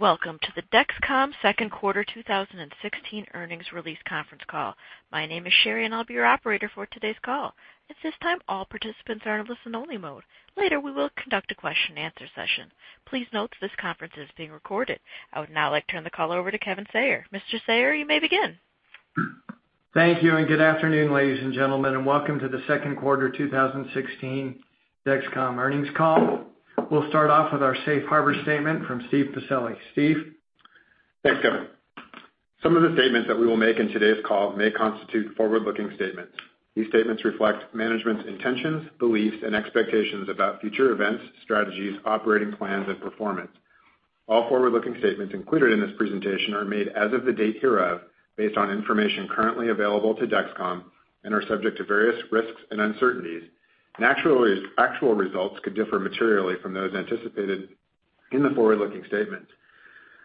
Welcome to the Dexcom second quarter 2016 earnings release conference call. My name is Sherry, and I'll be your operator for today's call. At this time, all participants are in listen-only mode. Later, we will conduct a question-and-answer session. Please note this conference is being recorded. I would now like to turn the call over to Kevin Sayer. Mr. Sayer, you may begin. Thank you, and good afternoon, ladies and gentlemen, and welcome to the second quarter 2016 Dexcom earnings call. We'll start off with our safe harbor statement from Steve Pacelli. Steve? Thanks, Kevin. Some of the statements that we will make in today's call may constitute forward-looking statements. These statements reflect management's intentions, beliefs, and expectations about future events, strategies, operating plans, and performance. All forward-looking statements included in this presentation are made as of the date hereof based on information currently available to Dexcom and are subject to various risks and uncertainties. Naturally, actual results could differ materially from those anticipated in the forward-looking statement.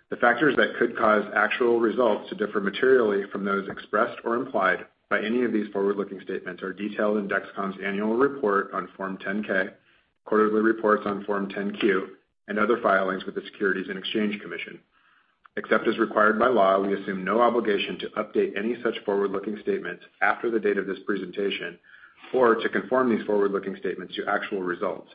The factors that could cause actual results to differ materially from those expressed or implied by any of these forward-looking statements are detailed in Dexcom's annual report on Form 10-K, quarterly reports on Form 10-Q, and other filings with the Securities and Exchange Commission. Except as required by law, we assume no obligation to update any such forward-looking statements after the date of this presentation or to conform these forward-looking statements to actual results.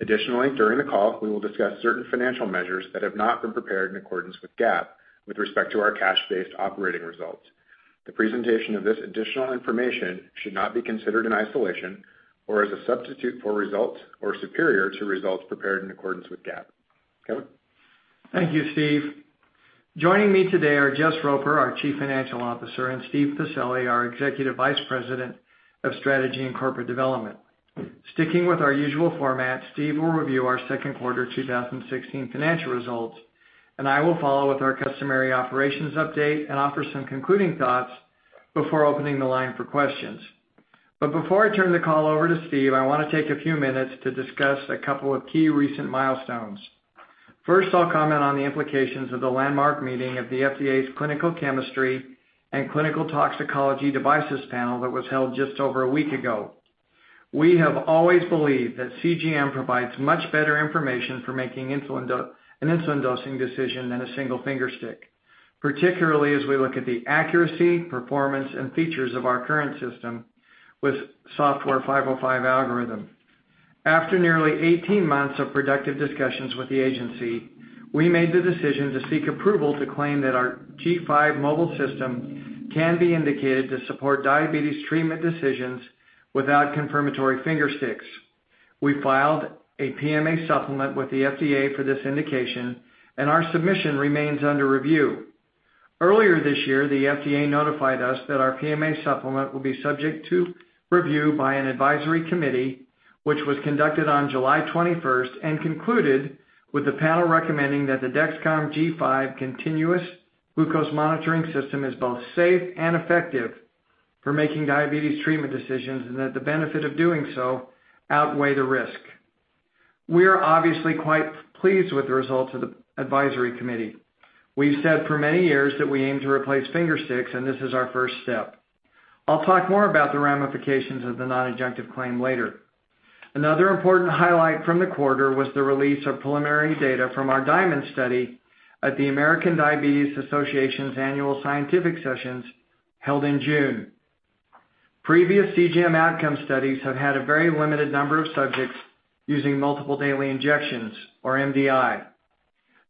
Additionally, during the call, we will discuss certain financial measures that have not been prepared in accordance with GAAP with respect to our cash-based operating results. The presentation of this additional information should not be considered in isolation or as a substitute for results or superior to results prepared in accordance with GAAP. Kevin? Thank you, Steve. Joining me today are Jess Roper, our Chief Financial Officer, and Steve Pacelli, our Executive Vice President of Strategy and Corporate Development. Sticking with our usual format, Steve will review our second quarter 2016 financial results, and I will follow with our customary operations update and offer some concluding thoughts before opening the line for questions. Before I turn the call over to Steve, I wanna take a few minutes to discuss a couple of key recent milestones. First, I'll comment on the implications of the landmark meeting of the FDA's Clinical Chemistry and Clinical Toxicology Devices Panel that was held just over a week ago. We have always believed that CGM provides much better information for making an insulin dosing decision than a single finger stick, particularly as we look at the accuracy, performance, and features of our current system with Software 505 algorithm. After nearly 18 months of productive discussions with the agency, we made the decision to seek approval to claim that our G5 Mobile System can be indicated to support diabetes treatment decisions without confirmatory finger sticks. We filed a PMA supplement with the FDA for this indication, and our submission remains under review. Earlier this year, the FDA notified us that our PMA supplement will be subject to review by an advisory committee, which was conducted on July 21st and concluded with the panel recommending that the Dexcom G5 Continuous Glucose Monitoring System is both safe and effective for making diabetes treatment decisions and that the benefit of doing so outweigh the risk. We are obviously quite pleased with the results of the advisory committee. We've said for many years that we aim to replace finger sticks, and this is our first step. I'll talk more about the ramifications of the non-adjunctive claim later. Another important highlight from the quarter was the release of preliminary data from our DIaMonD Study at the American Diabetes Association's annual scientific sessions held in June. Previous CGM outcome studies have had a very limited number of subjects using multiple daily injections, or MDI.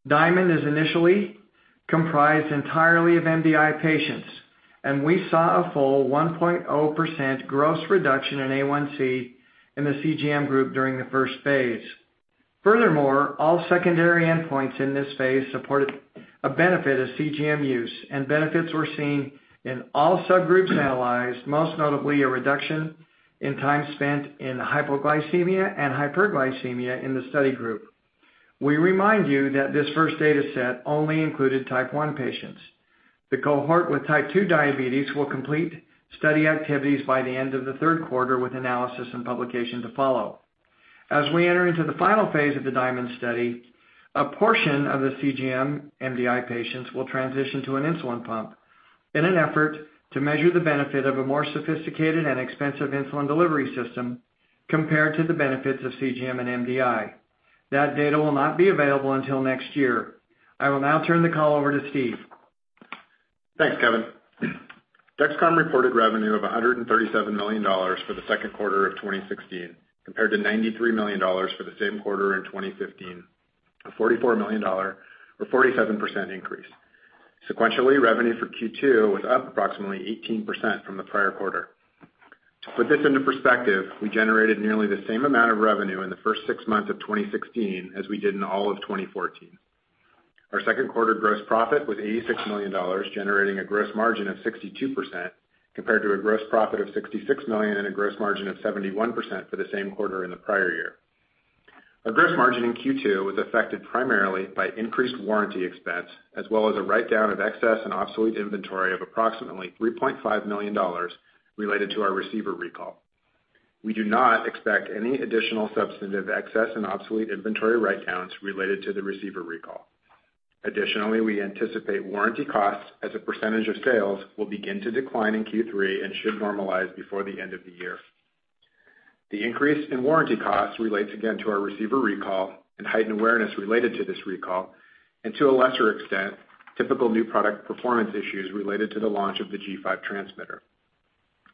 DIaMonD is initially comprised entirely of MDI patients, and we saw a full 1.0% gross reduction in A1C in the CGM group during the first phase. Furthermore, all secondary endpoints in this phase supported a benefit of CGM use, and benefits were seen in all subgroups analyzed, most notably a reduction in time spent in hypoglycemia and hyperglycemia in the study group. We remind you that this first data set only included type 1 patients. The cohort with type 2 diabetes will complete study activities by the end of the third quarter, with analysis and publication to follow. As we enter into the final phase of the DIaMonD Study, a portion of the CGM MDI patients will transition to an insulin pump in an effort to measure the benefit of a more sophisticated and expensive insulin delivery system compared to the benefits of CGM and MDI. That data will not be available until next year. I will now turn the call over to Steve. Thanks, Kevin. Dexcom reported revenue of $137 million for the second quarter of 2016, compared to $93 million for the same quarter in 2015, a $44 million or 47% increase. Sequentially, revenue for Q2 was up approximately 18% from the prior quarter. To put this into perspective, we generated nearly the same amount of revenue in the first six months of 2016 as we did in all of 2014. Our second quarter gross profit was $86 million, generating a gross margin of 62%, compared to a gross profit of $66 million and a gross margin of 71% for the same quarter in the prior year. Our gross margin in Q2 was affected primarily by increased warranty expense as well as a write-down of excess and obsolete inventory of approximately $3.5 million related to our receiver recall. We do not expect any additional substantive excess in obsolete inventory write-downs related to the receiver recall. Additionally, we anticipate warranty costs as a percentage of sales will begin to decline in Q3 and should normalize before the end of the year. The increase in warranty costs relates again to our receiver recall and heightened awareness related to this recall and to a lesser extent, typical new product performance issues related to the launch of the G5 transmitter.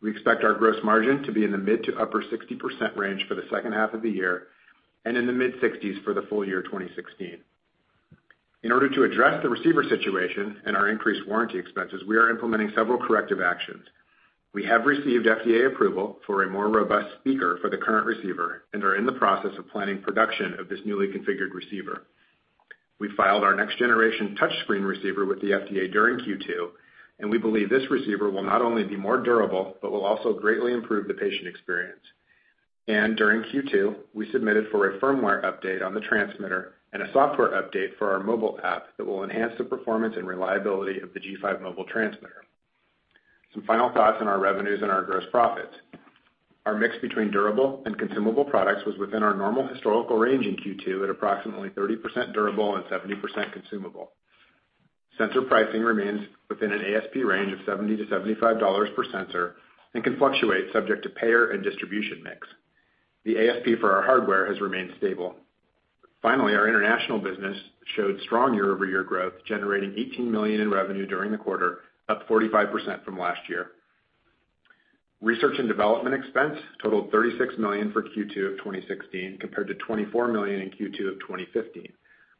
We expect our gross margin to be in the mid- to upper-60% range for the second half of the year and in the mid-60s for the full year 2016. In order to address the receiver situation and our increased warranty expenses, we are implementing several corrective actions. We have received FDA approval for a more robust speaker for the current receiver and are in the process of planning production of this newly configured receiver. We filed our next-generation touch screen receiver with the FDA during Q2, and we believe this receiver will not only be more durable, but will also greatly improve the patient experience. During Q2, we submitted for a firmware update on the transmitter and a software update for our mobile app that will enhance the performance and reliability of the G5 mobile transmitter. Some final thoughts on our revenues and our gross profits. Our mix between durable and consumable products was within our normal historical range in Q2 at approximately 30% durable and 70% consumable. Sensor pricing remains within an ASP range of $70-$75 per sensor and can fluctuate subject to payer and distribution mix. The ASP for our hardware has remained stable. Our international business showed strong year-over-year growth, generating $18 million in revenue during the quarter, up 45% from last year. Research and development expense totaled $36 million for Q2 of 2016 compared to $24 million in Q2 of 2015,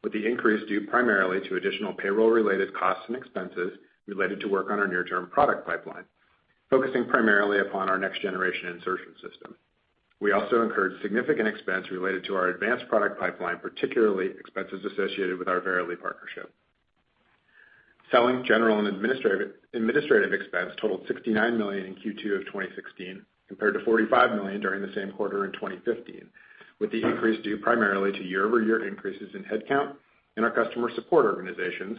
with the increase due primarily to additional payroll-related costs and expenses related to work on our near-term product pipeline, focusing primarily upon our next-generation insertion system. We also incurred significant expense related to our advanced product pipeline, particularly expenses associated with our Verily partnership. Selling, general, and administrative expense totaled $69 million in Q2 of 2016 compared to $45 million during the same quarter in 2015, with the increase due primarily to year-over-year increases in headcount in our customer support organizations,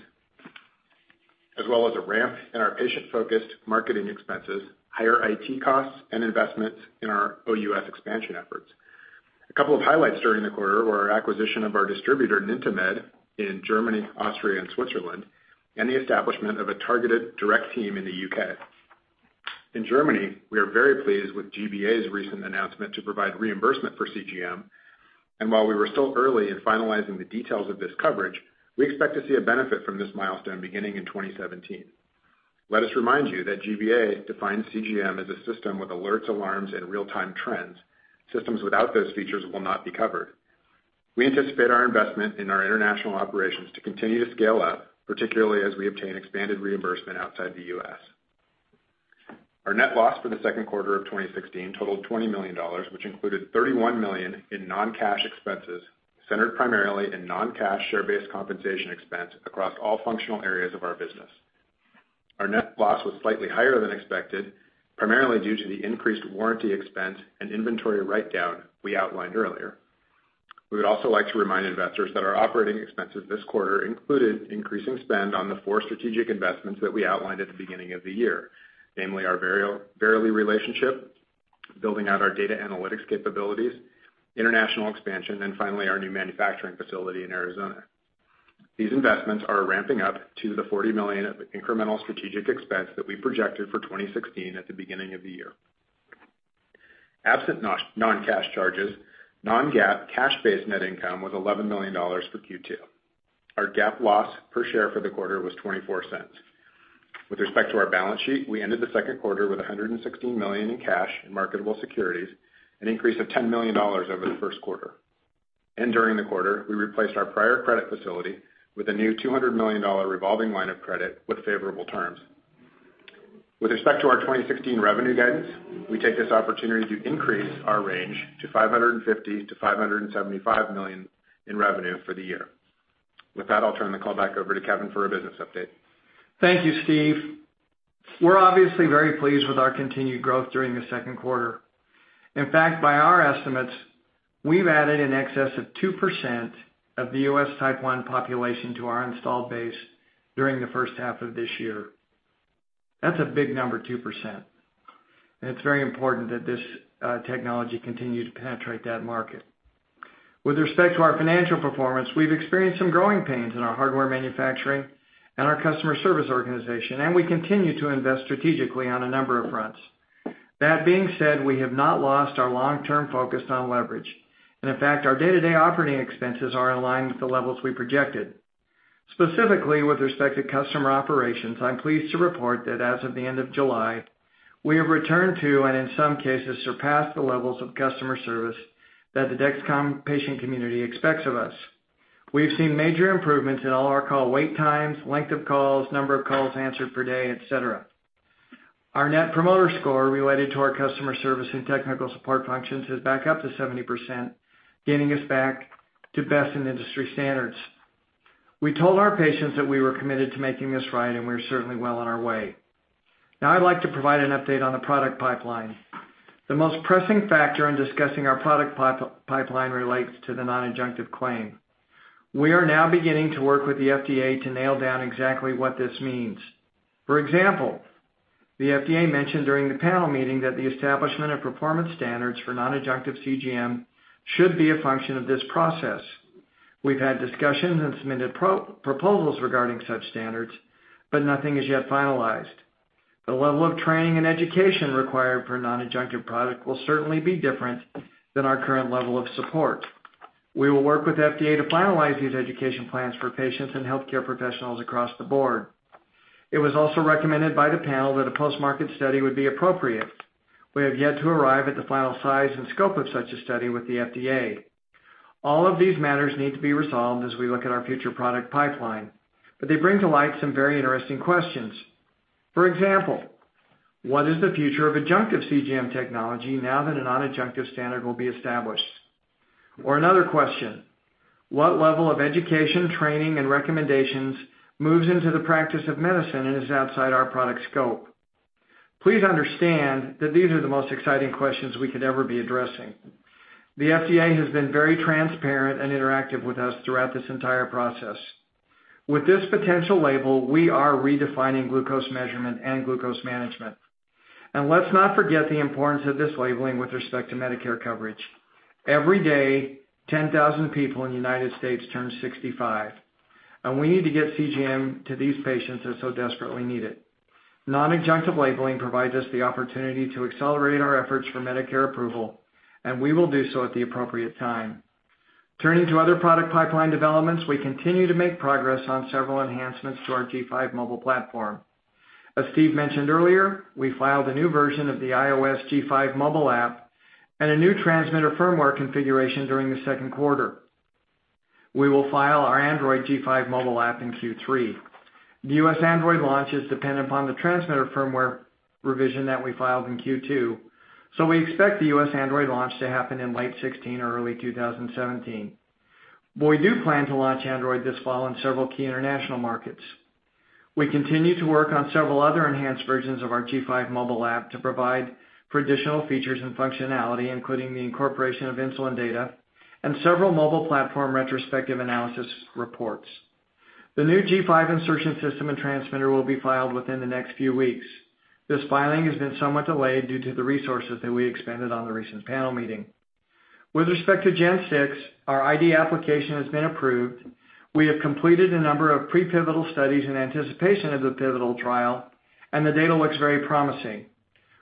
as well as a ramp in our patient-focused marketing expenses, higher IT costs, and investments in our OUS expansion efforts. A couple of highlights during the quarter were our acquisition of our distributor, Nintamed, in Germany, Austria, and Switzerland, and the establishment of a targeted direct team in the U.K. In Germany, we are very pleased with G-BA's recent announcement to provide reimbursement for CGM. While we were still early in finalizing the details of this coverage, we expect to see a benefit from this milestone beginning in 2017. Let us remind you that G-BA defines CGM as a system with alerts, alarms, and real-time trends. Systems without those features will not be covered. We anticipate our investment in our international operations to continue to scale up, particularly as we obtain expanded reimbursement outside the U.S. Our net loss for the second quarter of 2016 totaled $20 million, which included $31 million in non-cash expenses centered primarily in non-cash share-based compensation expense across all functional areas of our business. Our net loss was slightly higher than expected, primarily due to the increased warranty expense and inventory write-down we outlined earlier. We would also like to remind investors that our operating expenses this quarter included increasing spend on the four strategic investments that we outlined at the beginning of the year, namely our Verily relationship, building out our data analytics capabilities, international expansion, and finally, our new manufacturing facility in Arizona. These investments are ramping up to the $40 million of incremental strategic expense that we projected for 2016 at the beginning of the year. Absent non-cash charges, non-GAAP cash-based net income was $11 million for Q2. Our GAAP loss per share for the quarter was $0.24. With respect to our balance sheet, we ended the second quarter with $116 million in cash and marketable securities, an increase of $10 million over the first quarter. During the quarter, we replaced our prior credit facility with a new $200 million revolving line of credit with favorable terms. With respect to our 2016 revenue guidance, we take this opportunity to increase our range to $550 million-$575 million in revenue for the year. With that, I'll turn the call back over to Kevin for a business update. Thank you, Steve. We're obviously very pleased with our continued growth during the second quarter. In fact, by our estimates, we've added in excess of 2% of the U.S. Type 1 population to our installed base during the first half of this year. That's a big number, 2%, and it's very important that this technology continue to penetrate that market. With respect to our financial performance, we've experienced some growing pains in our hardware manufacturing and our customer service organization, and we continue to invest strategically on a number of fronts. That being said, we have not lost our long-term focus on leverage. In fact, our day-to-day operating expenses are in line with the levels we projected. Specifically, with respect to customer operations, I'm pleased to report that as of the end of July, we have returned to and in some cases, surpassed the levels of customer service that the Dexcom patient community expects of us. We've seen major improvements in all our call wait times, length of calls, number of calls answered per day, et cetera. Our Net Promoter Score related to our customer service and technical support functions is back up to 70%, getting us back to best in industry standards. We told our patients that we were committed to making this right, and we're certainly well on our way. Now, I'd like to provide an update on the product pipeline. The most pressing factor in discussing our product pipeline relates to the non-adjunctive claim. We are now beginning to work with the FDA to nail down exactly what this means. For example, the FDA mentioned during the panel meeting that the establishment of performance standards for non-adjunctive CGM should be a function of this process. We've had discussions and submitted proposals regarding such standards, but nothing is yet finalized. The level of training and education required for a non-adjunctive product will certainly be different than our current level of support. We will work with FDA to finalize these education plans for patients and healthcare professionals across the board. It was also recommended by the panel that a post-market study would be appropriate. We have yet to arrive at the final size and scope of such a study with the FDA. All of these matters need to be resolved as we look at our future product pipeline, but they bring to light some very interesting questions. For example, what is the future of adjunctive CGM technology now that a non-adjunctive standard will be established? Or another question, what level of education, training, and recommendations moves into the practice of medicine and is outside our product scope? Please understand that these are the most exciting questions we could ever be addressing. The FDA has been very transparent and interactive with us throughout this entire process. With this potential label, we are redefining glucose measurement and glucose management. Let's not forget the importance of this labeling with respect to Medicare coverage. Every day, 10,000 people in the United States turn 65, and we need to get CGM to these patients that so desperately need it. Non-adjunctive labeling provides us the opportunity to accelerate our efforts for Medicare approval, and we will do so at the appropriate time. Turning to other product pipeline developments, we continue to make progress on several enhancements to our G5 Mobile platform. As Steve mentioned earlier, we filed a new version of the iOS G5 Mobile app and a new transmitter firmware configuration during the second quarter. We will file our Android G5 Mobile app in Q3. The U.S. Android launch is dependent upon the transmitter firmware revision that we filed in Q2, so we expect the U.S. Android launch to happen in late 2016 or early 2017. We do plan to launch Android this fall in several key international markets. We continue to work on several other enhanced versions of our G5 Mobile app to provide for additional features and functionality, including the incorporation of insulin data and several mobile platform retrospective analysis reports. The new G5 insertion system and transmitter will be filed within the next few weeks. This filing has been somewhat delayed due to the resources that we expended on the recent panel meeting. With respect to Gen 6, our IDE application has been approved. We have completed a number of pre-pivotal studies in anticipation of the pivotal trial, and the data looks very promising.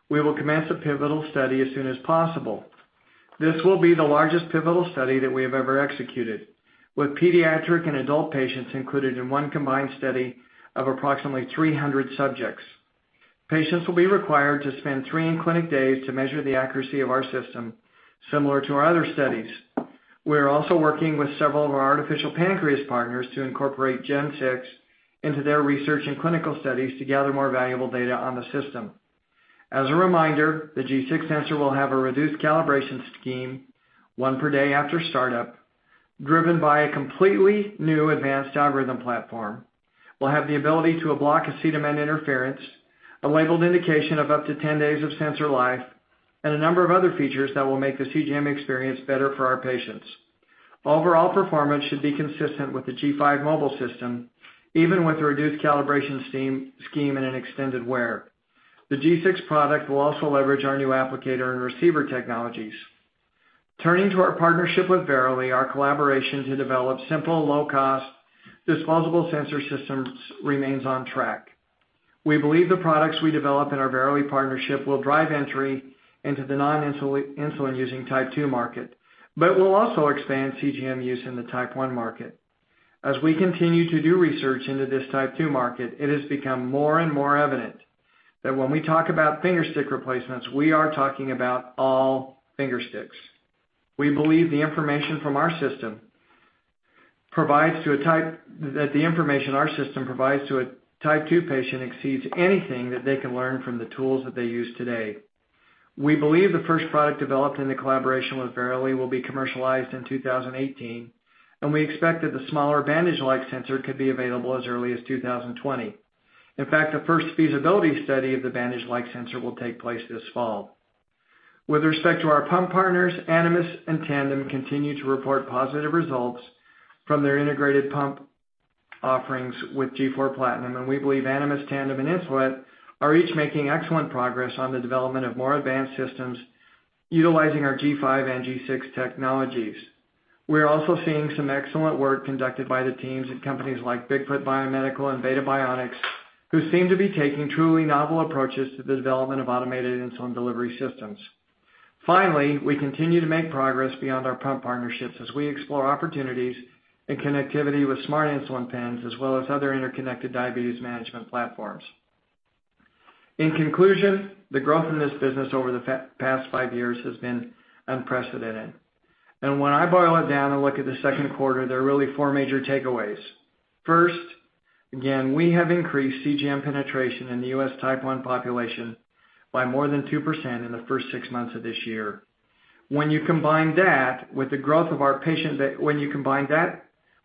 We will commence the pivotal study as soon as possible. This will be the largest pivotal study that we have ever executed, with pediatric and adult patients included in one combined study of approximately 300 subjects. Patients will be required to spend three in-clinic days to measure the accuracy of our system, similar to our other studies. We are also working with several of our artificial pancreas partners to incorporate Gen 6 into their research and clinical studies to gather more valuable data on the system. As a reminder, the G6 sensor will have a reduced calibration scheme, one per day after startup, driven by a completely new advanced algorithm platform. We'll have the ability to block acetaminophen interference, a labeled indication of up to 10 days of sensor life, and a number of other features that will make the CGM experience better for our patients. Overall performance should be consistent with the G5 Mobile System, even with the reduced calibration scheme and an extended wear. The G6 product will also leverage our new applicator and receiver technologies. Turning to our partnership with Verily, our collaboration to develop simple, low-cost disposable sensor systems remains on track. We believe the products we develop in our Verily partnership will drive entry into the non-insulin-using type 2 market, but will also expand CGM use in the type 1 market. As we continue to do research into this type 2 market, it has become more and more evident that when we talk about finger stick replacements, we are talking about all finger sticks. We believe that the information our system provides to a type 2 patient exceeds anything that they can learn from the tools that they use today. We believe the first product developed in the collaboration with Verily will be commercialized in 2018, and we expect that the smaller bandage-like sensor could be available as early as 2020. In fact, the first feasibility study of the bandage-like sensor will take place this fall. With respect to our pump partners, Animas and Tandem continue to report positive results from their integrated pump offerings with G4 PLATINUM, and we believe Animas, Tandem, and Insulet are each making excellent progress on the development of more advanced systems utilizing our G5 and G6 technologies. We are also seeing some excellent work conducted by the teams at companies like Bigfoot Biomedical and Beta Bionics, who seem to be taking truly novel approaches to the development of automated insulin delivery systems. Finally, we continue to make progress beyond our pump partnerships as we explore opportunities and connectivity with smart insulin pens as well as other interconnected diabetes management platforms. In conclusion, the growth in this business over the past five years has been unprecedented. When I boil it down and look at the second quarter, there are really four major takeaways. First, again, we have increased CGM penetration in the U.S. Type 1 population by more than 2% in the first six months of this year. When you combine that with the growth of our patient base this year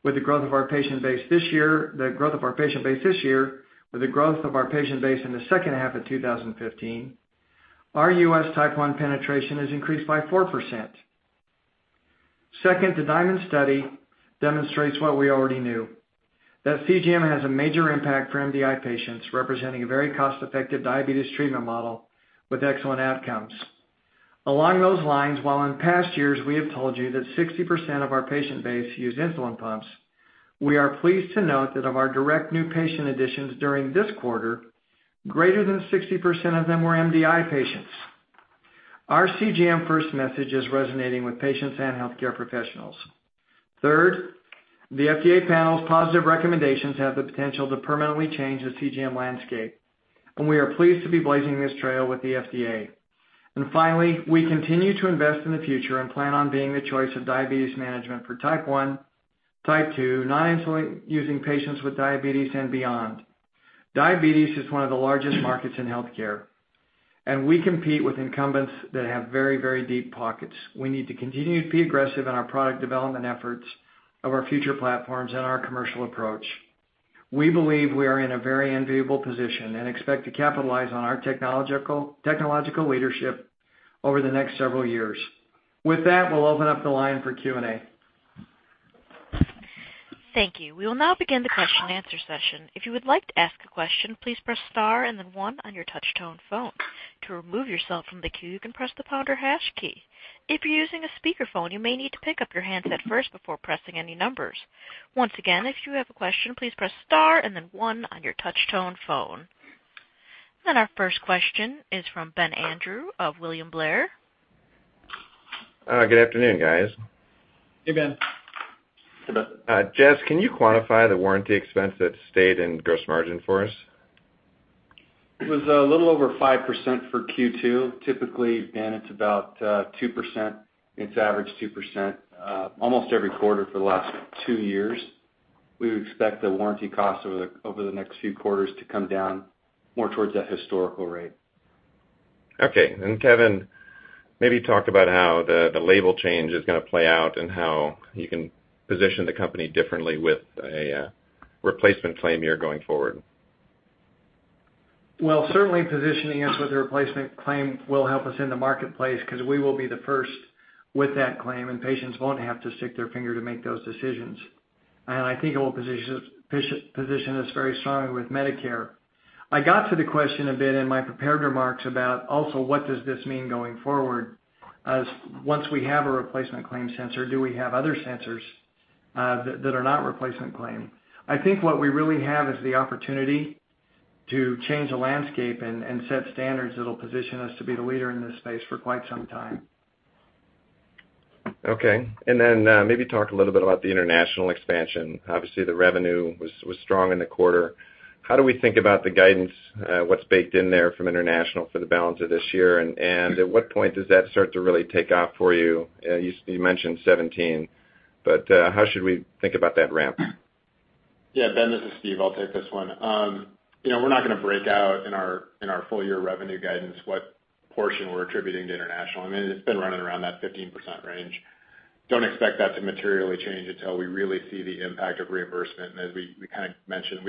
with the growth of our patient base in the second half of 2015, our U.S. Type 1 penetration has increased by 4%. Second, the DIaMonD Study demonstrates what we already knew, that CGM has a major impact for MDI patients, representing a very cost-effective diabetes treatment model with excellent outcomes. Along those lines, while in past years we have told you that 60% of our patient base use insulin pumps, we are pleased to note that of our direct new patient additions during this quarter, greater than 60% of them were MDI patients. Our CGM first message is resonating with patients and healthcare professionals. Third, the FDA panel's positive recommendations have the potential to permanently change the CGM landscape, and we are pleased to be blazing this trail with the FDA. Finally, we continue to invest in the future and plan on being the choice of diabetes management for type 1, type 2, non-insulin-using patients with diabetes and beyond. Diabetes is one of the largest markets in healthcare, and we compete with incumbents that have very, very deep pockets. We need to continue to be aggressive in our product development efforts of our future platforms and our commercial approach. We believe we are in a very enviable position and expect to capitalize on our technological leadership over the next several years. With that, we'll open up the line for Q&A. Thank you. We will now begin the question and answer session. If you would like to ask a question, please press star and then one on your touch-tone phone. To remove yourself from the queue, you can press the pound or hash key. If you're using a speakerphone, you may need to pick up your handset first before pressing any numbers. Once again, if you have a question, please press star and then one on your touch-tone phone. Our first question is from Ben Andrew of William Blair. Good afternoon, guys. Hey, Ben. Jess, can you quantify the warranty expense that stayed in gross margin for us? It was a little over 5% for Q2. Typically, Ben, it's about 2%. It's averaged 2%, almost every quarter for the last two years. We would expect the warranty cost over the next few quarters to come down more towards that historical rate. Okay. Kevin, maybe talk about how the label change is gonna play out and how you can position the company differently with a replacement claim year going forward. Well, certainly positioning us with a replacement claim will help us in the marketplace 'cause we will be the first with that claim, and patients won't have to stick their finger to make those decisions. I think it will position us very strongly with Medicare. I got to the question a bit in my prepared remarks about also what does this mean going forward as once we have a replacement claim sensor, do we have other sensors, that are not replacement claim? I think what we really have is the opportunity to change the landscape and set standards that'll position us to be the leader in this space for quite some time. Okay. Maybe talk a little bit about the international expansion. Obviously, the revenue was strong in the quarter. How do we think about the guidance, what's baked in there from international for the balance of this year? At what point does that start to really take off for you? You mentioned 2017, but how should we think about that ramp? Yeah. Ben, this is Steve. I'll take this one. You know, we're not gonna break out in our full year revenue guidance what portion we're attributing to international. I mean, it's been running around that 15% range. Don't expect that to materially change until we really see the impact of reimbursement. As we kinda mentioned,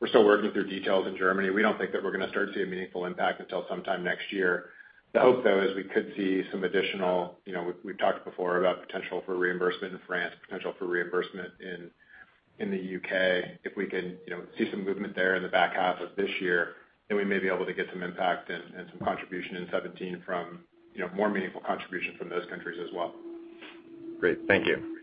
we're still working through details in Germany. We don't think that we're gonna start to see a meaningful impact until sometime next year. The hope, though, is we could see some additional, you know, we've talked before about potential for reimbursement in France, potential for reimbursement in the U.K. If we can, you know, see some movement there in the back half of this year, then we may be able to get some impact and some contribution in 2017 from, you know, more meaningful contributions from those countries as well. Great. Thank you.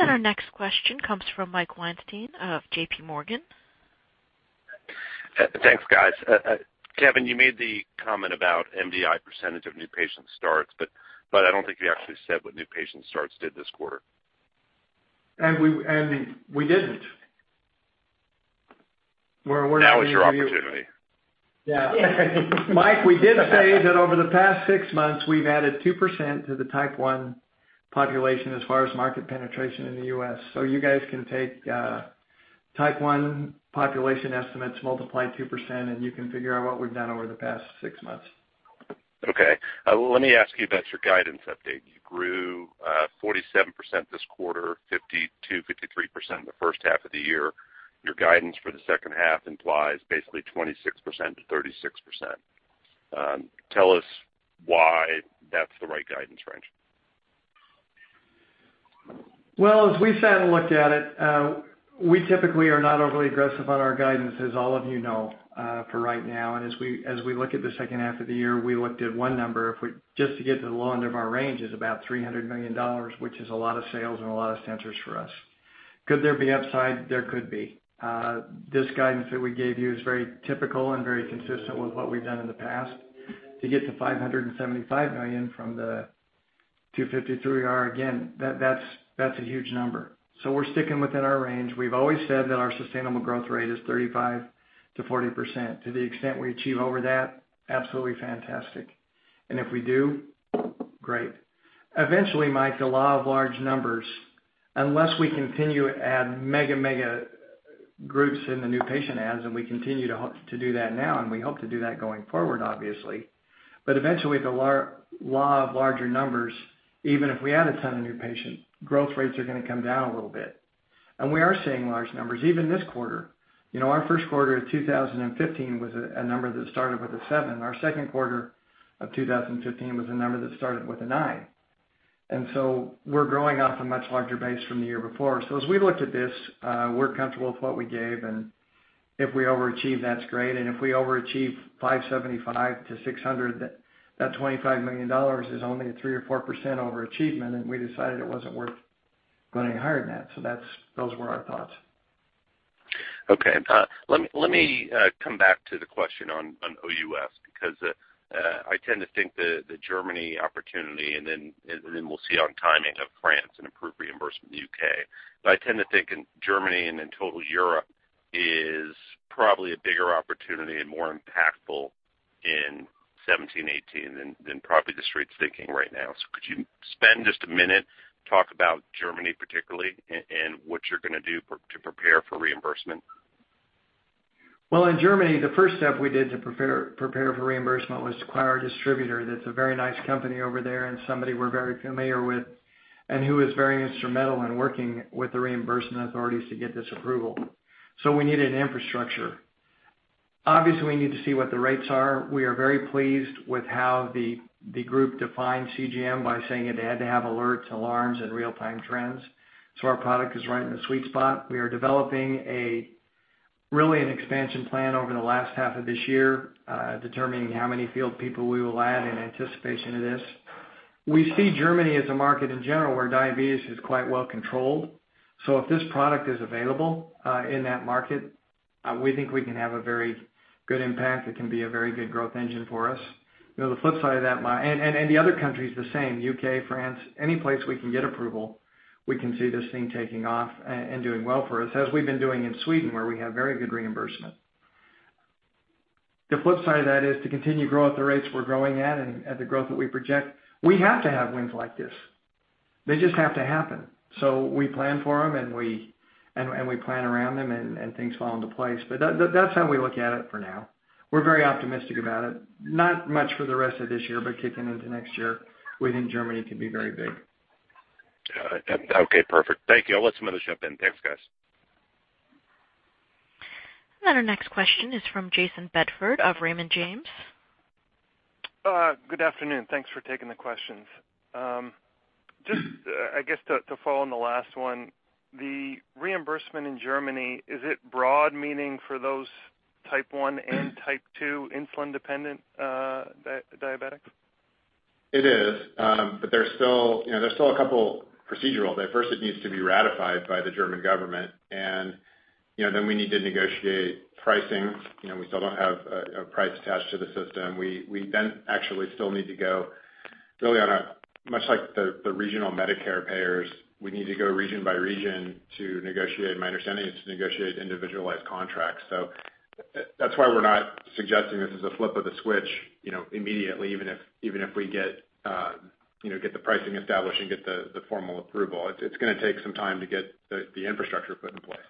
Our next question comes from Mike Weinstein of JPMorgan. Thanks, guys. Kevin, you made the comment about MDI percentage of new patient starts, but I don't think you actually said what new patient starts did this quarter. We didn't. We're waiting for you. Now is your opportunity. Yeah. Mike, we did say that over the past six months, we've added 2% to the Type 1 population as far as market penetration in the U.S. You guys can take Type 1 population estimates, multiply 2%, and you can figure out what we've done over the past six months. Okay. Let me ask you about your guidance update. You grew 47% this quarter, 52%-53% in the first half of the year. Your guidance for the second half implies basically 26%-36%. Tell us why that's the right guidance range. Well, as we sat and looked at it, we typically are not overly aggressive on our guidance, as all of you know, for right now. As we look at the second half of the year, we looked at one number. Just to get to the low end of our range is about $300 million, which is a lot of sales and a lot of sensors for us. Could there be upside? There could be. This guidance that we gave you is very typical and very consistent with what we've done in the past. To get to $575 million from the 253R, again, that's a huge number. We're sticking within our range. We've always said that our sustainable growth rate is 35%-40%. To the extent we achieve over that, absolutely fantastic. If we do, great. Eventually, Mike, the law of large numbers, unless we continue to add mega groups in the new patient adds, and we continue to do that now, and we hope to do that going forward, obviously. Eventually, the law of larger numbers, even if we add a ton of new patients, growth rates are gonna come down a little bit. We are seeing large numbers, even this quarter. You know, our first quarter of 2015 was a number that started with a seven. Our second quarter of 2015 was a number that started with a nine. We're growing off a much larger base from the year before. As we looked at this, we're comfortable with what we gave, and if we overachieve, that's great. If we overachieve $575 million-$600 million, that $25 million is only a 3% or 4% overachievement, and we decided it wasn't worth going any higher than that. That's those were our thoughts. Okay. Let me come back to the question on OUS, because I tend to think the Germany opportunity, and then we'll see on timing of France and improved reimbursement in the U.K. I tend to think in Germany and in total Europe is probably a bigger opportunity and more impactful in 2017-2018 than probably the street's thinking right now. Could you spend just a minute, talk about Germany particularly, and what you're gonna do to prepare for reimbursement? Well, in Germany, the first step we did to prepare for reimbursement was acquire a distributor that's a very nice company over there and somebody we're very familiar with and who is very instrumental in working with the reimbursement authorities to get this approval. We needed an infrastructure. Obviously, we need to see what the rates are. We are very pleased with how the group defined CGM by saying it had to have alerts, alarms, and real-time trends. Our product is right in the sweet spot. We are developing really an expansion plan over the last half of this year, determining how many field people we will add in anticipation of this. We see Germany as a market in general where diabetes is quite well controlled. If this product is available in that market, we think we can have a very good impact. It can be a very good growth engine for us. You know, the flip side of that, and the other countries the same, U.K., France, any place we can get approval, we can see this thing taking off and doing well for us, as we've been doing in Sweden, where we have very good reimbursement. The flip side of that is to continue to grow at the rates we're growing at and at the growth that we project, we have to have wins like this. They just have to happen. We plan for them and we plan around them and things fall into place. That's how we look at it for now. We're very optimistic about it. Not much for the rest of this year, but kicking into next year, we think Germany can be very big. Okay, perfect. Thank you. I'll let somebody else jump in. Thanks, guys. Our next question is from Jayson Bedford of Raymond James. Good afternoon. Thanks for taking the questions. Just, I guess to follow on the last one, the reimbursement in Germany, is it broad meaning for those Type 1 and Type 2 insulin-dependent diabetics? It is, but there's still, you know, there's still a couple procedural. First, it needs to be ratified by the German government and, you know, then we need to negotiate pricing. You know, we still don't have a price attached to the system. We then actually still need to go really on a much like the regional Medicare payers. We need to go region by region to negotiate. My understanding is to negotiate individualized contracts. That's why we're not suggesting this is a flip of the switch, you know, immediately, even if we get, you know, get the pricing established and get the formal approval. It's gonna take some time to get the infrastructure put in place.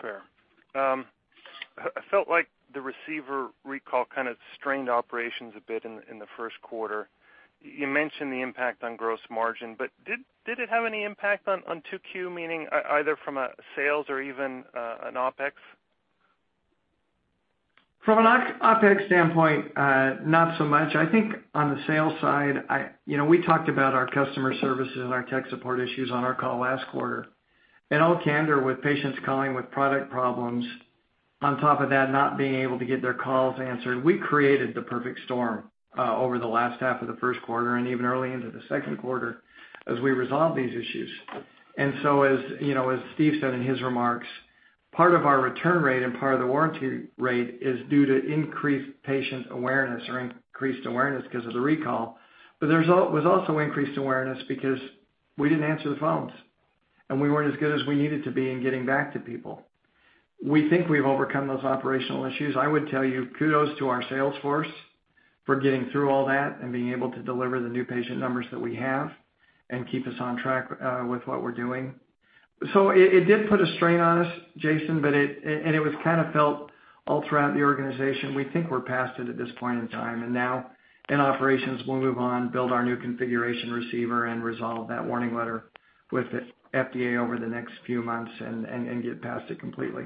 Fair. I felt like the receiver recall kind of strained operations a bit in the first quarter. You mentioned the impact on gross margin, but did it have any impact on 2Q, meaning either from a sales or even an OpEx? From an OpEx standpoint, not so much. I think on the sales side, you know, we talked about our customer services and our tech support issues on our call last quarter. In all candor, with patients calling with product problems on top of that not being able to get their calls answered, we created the perfect storm over the last half of the first quarter and even early into the second quarter as we resolved these issues. As you know, as Steve said in his remarks, part of our return rate and part of the warranty rate is due to increased patient awareness or increased awareness because of the recall. But there's always also increased awareness because we didn't answer the phones, and we weren't as good as we needed to be in getting back to people. We think we've overcome those operational issues. I would tell you, kudos to our sales force for getting through all that and being able to deliver the new patient numbers that we have and keep us on track with what we're doing. It did put a strain on us, Jayson, but it and it was kinda felt all throughout the organization. We think we're past it at this point in time. Now in operations, we'll move on, build our new configuration receiver, and resolve that warning letter with the FDA over the next few months and get past it completely.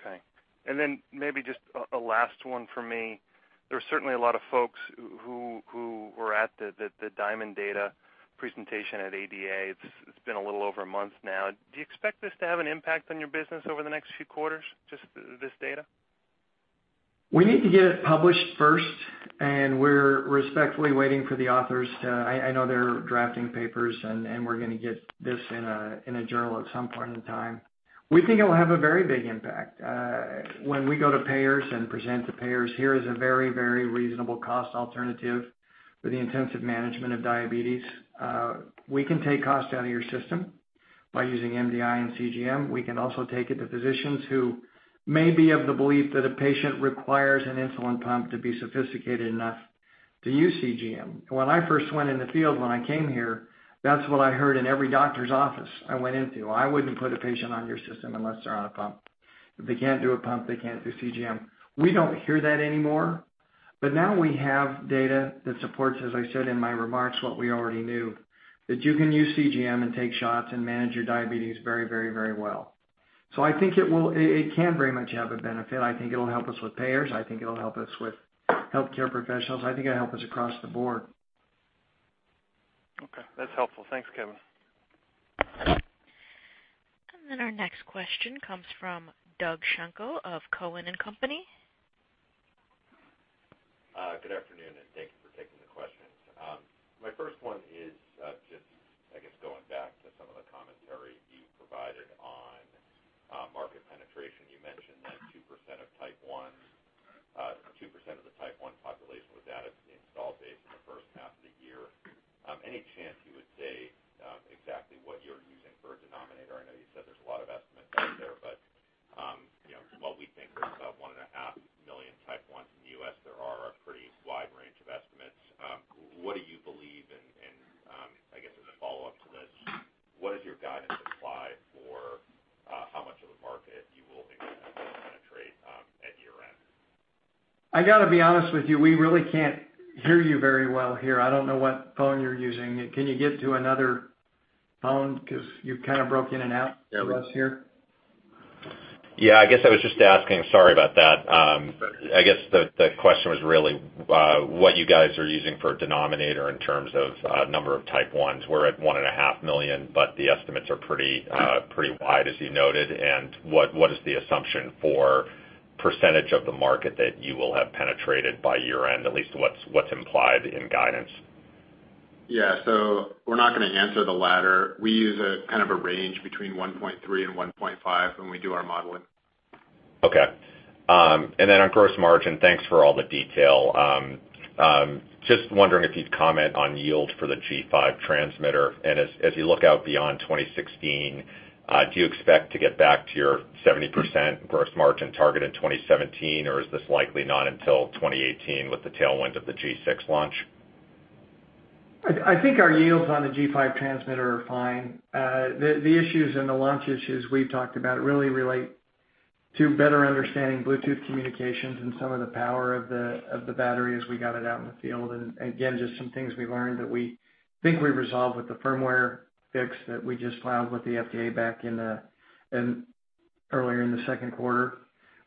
Okay. Then maybe just a last one for me. There are certainly a lot of folks who were at the DIaMonD data presentation at ADA. It's been a little over a month now. Do you expect this to have an impact on your business over the next few quarters, just this data? We need to get it published first, and we're respectfully waiting for the authors to. I know they're drafting papers, and we're gonna get this in a journal at some point in time. We think it will have a very big impact. When we go to payers and present to payers, here is a very, very reasonable cost alternative for the intensive management of diabetes. We can take costs out of your system by using MDI and CGM. We can also take it to physicians who may be of the belief that a patient requires an insulin pump to be sophisticated enough to use CGM. When I first went in the field when I came here, that's what I heard in every doctor's office I went into. "I wouldn't put a patient on your system unless they're on a pump. If they can't do a pump, they can't do CGM." We don't hear that anymore. Now we have data that supports, as I said in my remarks, what we already knew, that you can use CGM and take shots and manage your diabetes very, very, very well. I think it can very much have a benefit. I think it'll help us with payers. I think it'll help us with healthcare professionals. I think it'll help us across the board. Okay. That's helpful. Thanks, Kevin. Our next question comes from Doug Schenkel of Cowen and Company. Good afternoon, and thank you for taking the questions. My first one is, just, I guess, going back to some of the commentary you provided on market penetration. You mentioned that 2% of the Type 1 population was added to the installed base in the first half of the year. Any chance you would say exactly what you're using for a denominator? I know you said there's a lot of estimates out there, but you know, while we think there's about 1.5 million Type 1s in the U.S., there are a pretty wide range of estimates. What do you believe? I guess as a follow-up to this, what does your guidance imply for how much of the market you will expect to penetrate at year-end? I gotta be honest with you. We really can't hear you very well here. I don't know what phone you're using. Can you get to another phone? 'Cause you've kinda broke in and out for us here. Yeah, I guess I was just asking. Sorry about that. I guess the question was really what you guys are using for a denominator in terms of number of Type 1s. We're at 1.5 million, but the estimates are pretty wide, as you noted. What is the assumption for percentage of the market that you will have penetrated by year-end, at least what's implied in guidance? Yeah. We're not gonna answer the latter. We use a kind of a range between 1.3 and 1.5 when we do our modeling. On gross margin, thanks for all the detail. Just wondering if you'd comment on yield for the G5 transmitter. As you look out beyond 2016, do you expect to get back to your 70% gross margin target in 2017, or is this likely not until 2018 with the tailwind of the G6 launch? I think our yields on the G5 transmitter are fine. The issues and the launch issues we've talked about really relate to better understanding Bluetooth communications and some of the power of the battery as we got it out in the field. Again, just some things we learned that we think we resolved with the firmware fix that we just filed with the FDA back in earlier in the second quarter.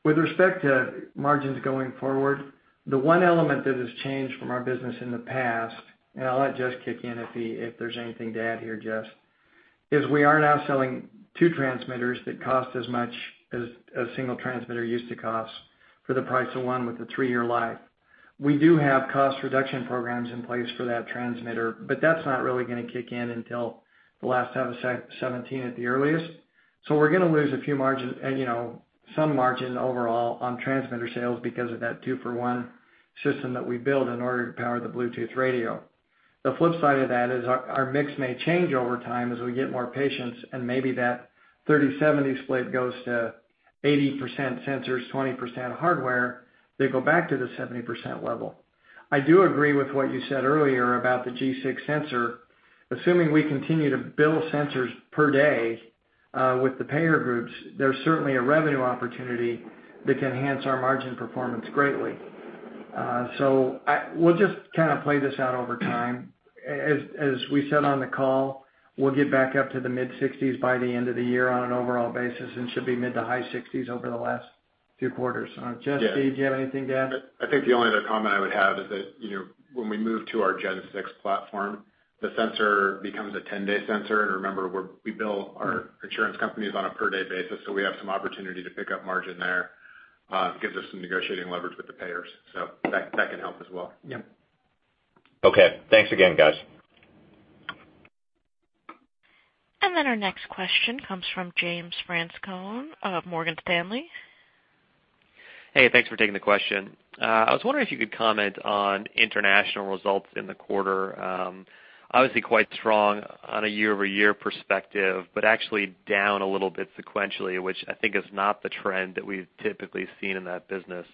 With respect to margins going forward, the one element that has changed from our business in the past, and I'll let Jess kick in if there's anything to add here, Jess, is we are now selling two transmitters that cost as much as a single transmitter used to cost for the price of one with a three-year life. We do have cost reduction programs in place for that transmitter, but that's not really gonna kick in until the last half of 2017 at the earliest. We're gonna lose a few margin, you know, some margin overall on transmitter sales because of that two-for-one system that we built in order to power the Bluetooth radio. The flip side of that is our mix may change over time as we get more patients, and maybe that 30-70 split goes to 80% sensors, 20% hardware, they go back to the 70% level. I do agree with what you said earlier about the G6 sensor. Assuming we continue to bill sensors per day with the payer groups, there's certainly a revenue opportunity that can enhance our margin performance greatly. We'll just kind of play this out over time. As we said on the call, we'll get back up to the mid-60s by the end of the year on an overall basis and should be mid to high 60s over the last few quarters. Jess, did you have anything to add? I think the only other comment I would have is that, you know, when we move to our Gen 6 platform, the sensor becomes a 10-day sensor. Remember, we bill our insurance companies on a per day basis, so we have some opportunity to pick up margin there. It gives us some negotiating leverage with the payers, so that can help as well. Yeah. Okay. Thanks again, guys. Our next question comes from James Francescone of Morgan Stanley. Hey, thanks for taking the question. I was wondering if you could comment on international results in the quarter. Obviously quite strong on a year-over-year perspective, but actually down a little bit sequentially, which I think is not the trend that we've typically seen in that business.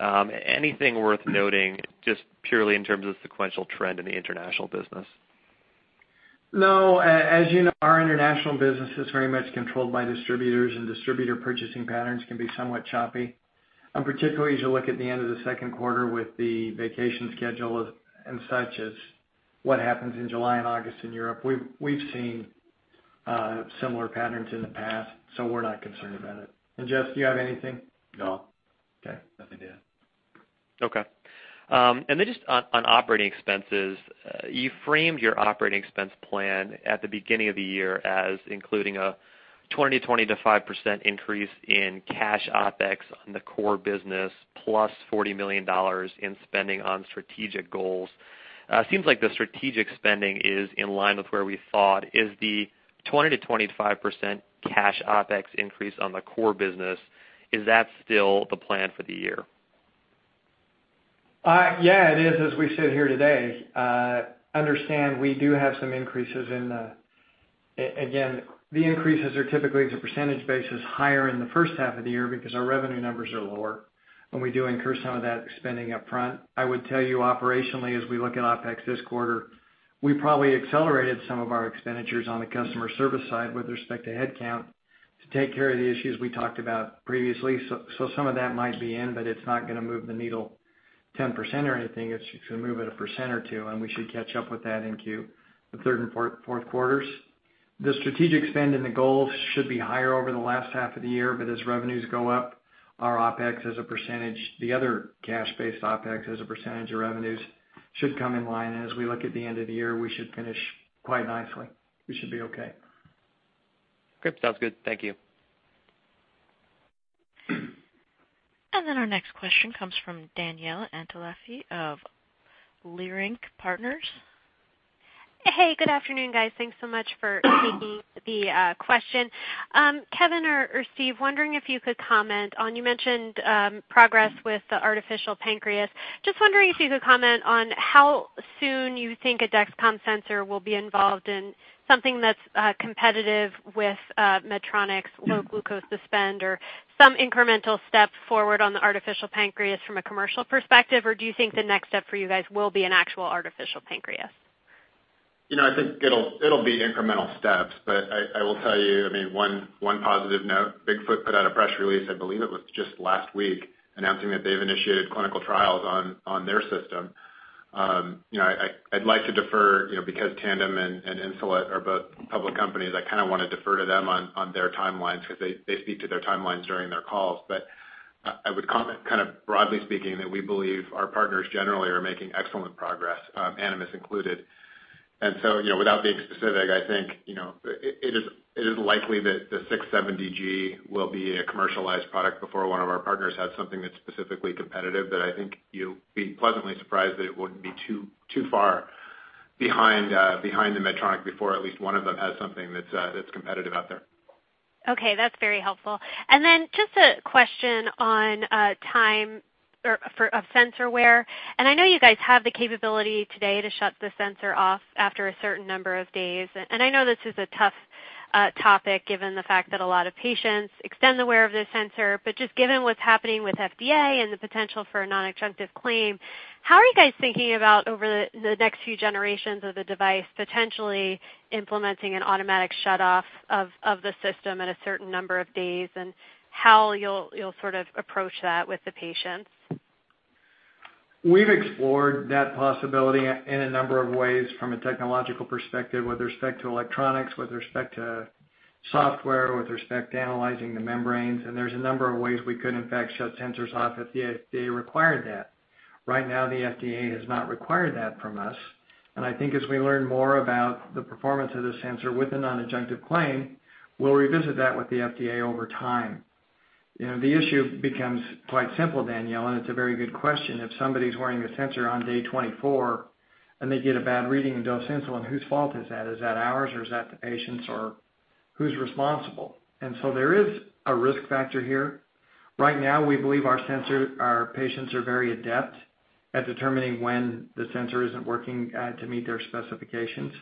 Anything worth noting just purely in terms of the sequential trend in the international business? No. As you know, our international business is very much controlled by distributors, and distributor purchasing patterns can be somewhat choppy. Particularly as you look at the end of the second quarter with the vacation schedule and such as what happens in July and August in Europe. We've seen similar patterns in the past, so we're not concerned about it. Jess, do you have anything? No. Okay. Nothing to add. Okay. Just on operating expenses, you framed your operating expense plan at the beginning of the year as including a 20%-25% increase in cash OpEx on the core business, plus $40 million in spending on strategic goals. It seems like the strategic spending is in line with where we thought. Is the 20%-25% cash OpEx increase on the core business, is that still the plan for the year? Yeah, it is as we sit here today. Understand, we do have some increases. Again, the increases are typically as a percentage basis higher in the first half of the year because our revenue numbers are lower, and we do incur some of that spending up front. I would tell you operationally, as we look at OpEx this quarter, we probably accelerated some of our expenditures on the customer service side with respect to headcount to take care of the issues we talked about previously. Some of that might be in, but it's not gonna move the needle 10% or anything, it's a move of a 1% or 2%, and we should catch up with that in the third and fourth quarters. The strategic spend and the goals should be higher over the last half of the year. As revenues go up, our OpEx as a percentage, the other cash-based OpEx as a percentage of revenues should come in line. As we look at the end of the year, we should finish quite nicely. We should be okay. Great. Sounds good. Thank you. Our next question comes from Danielle Antalffy of Leerink Partners. Hey, good afternoon, guys. Thanks so much for taking the question. Kevin or Steve, wondering if you could comment on, you mentioned, progress with the artificial pancreas. Just wondering if you could comment on how soon you think a Dexcom sensor will be involved in something that's competitive with Medtronic's Low Glucose Suspend or some incremental step forward on the artificial pancreas from a commercial perspective. Or do you think the next step for you guys will be an actual artificial pancreas? You know, I think it'll be incremental steps, but I will tell you, I mean, one positive note. Bigfoot put out a press release, I believe it was just last week, announcing that they've initiated clinical trials on their system. You know, I'd like to defer because Tandem and Insulet are both public companies. I kind of wanna defer to them on their timelines because they speak to their timelines during their calls. I would kind of broadly speaking, that we believe our partners generally are making excellent progress, Animas included. You know, without being specific, I think, you know, it is likely that the 670G will be a commercialized product before one of our partners has something that's specifically competitive. I think you'll be pleasantly surprised that it wouldn't be too far behind the Medtronic before at least one of them has something that's competitive out there. Okay. That's very helpful. Just a question on time of sensor wear. I know you guys have the capability today to shut the sensor off after a certain number of days. I know this is a tough topic given the fact that a lot of patients extend the wear of the sensor. Just given what's happening with FDA and the potential for a non-adjunctive claim, how are you guys thinking about over the next few generations of the device potentially implementing an automatic shutoff of the system at a certain number of days, and how you'll sort of approach that with the patients? We've explored that possibility in a number of ways from a technological perspective with respect to electronics, with respect to software, with respect to analyzing the membranes, and there's a number of ways we could in fact shut sensors off if the FDA required that. Right now, the FDA has not required that from us, and I think as we learn more about the performance of the sensor with a non-adjunctive claim, we'll revisit that with the FDA over time. You know, the issue becomes quite simple, Danielle, and it's a very good question. If somebody's wearing a sensor on day 24 and they get a bad reading and dose insulin, whose fault is that? Is that ours or is that the patient's or who's responsible? There is a risk factor here. Right now we believe our patients are very adept at determining when the sensor isn't working to meet their specifications.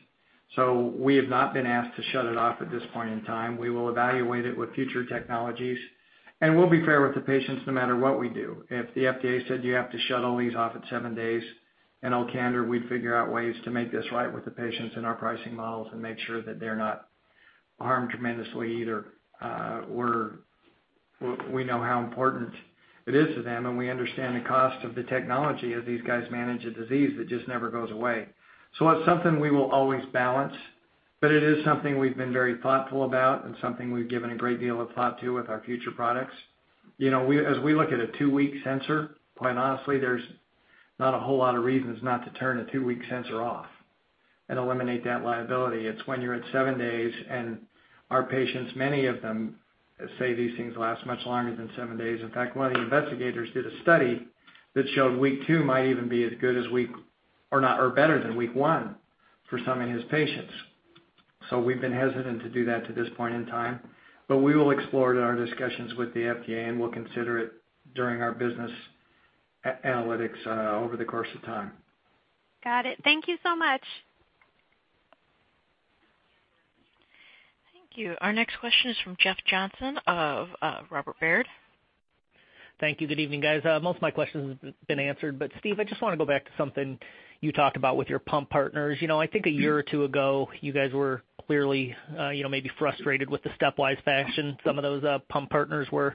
We have not been asked to shut it off at this point in time. We will evaluate it with future technologies, and we'll be fair with the patients no matter what we do. If the FDA said you have to shut all these off at seven days, in all candor we'd figure out ways to make this right with the patients in our pricing models and make sure that they're not harmed tremendously either. We know how important it is to them, and we understand the cost of the technology as these guys manage a disease that just never goes away. It's something we will always balance, but it is something we've been very thoughtful about and something we've given a great deal of thought to with our future products. You know, as we look at a two-week sensor, quite honestly, there's not a whole lot of reasons not to turn a two-week sensor off and eliminate that liability. It's when you're at seven days and our patients, many of them say these things last much longer than seven days. In fact, one of the investigators did a study that showed week two might even be as good as week or better than week one for some of his patients. We've been hesitant to do that to this point in time, but we will explore it in our discussions with the FDA, and we'll consider it during our business analytics over the course of time. Got it. Thank you so much. Thank you. Our next question is from Jeff Johnson of Robert W. Baird. Thank you. Good evening, guys. Most of my questions have been answered, but Steve, I just wanna go back to something you talked about with your pump partners. You know, I think a year or two ago, you guys were clearly, you know, maybe frustrated with the stepwise fashion some of those pump partners were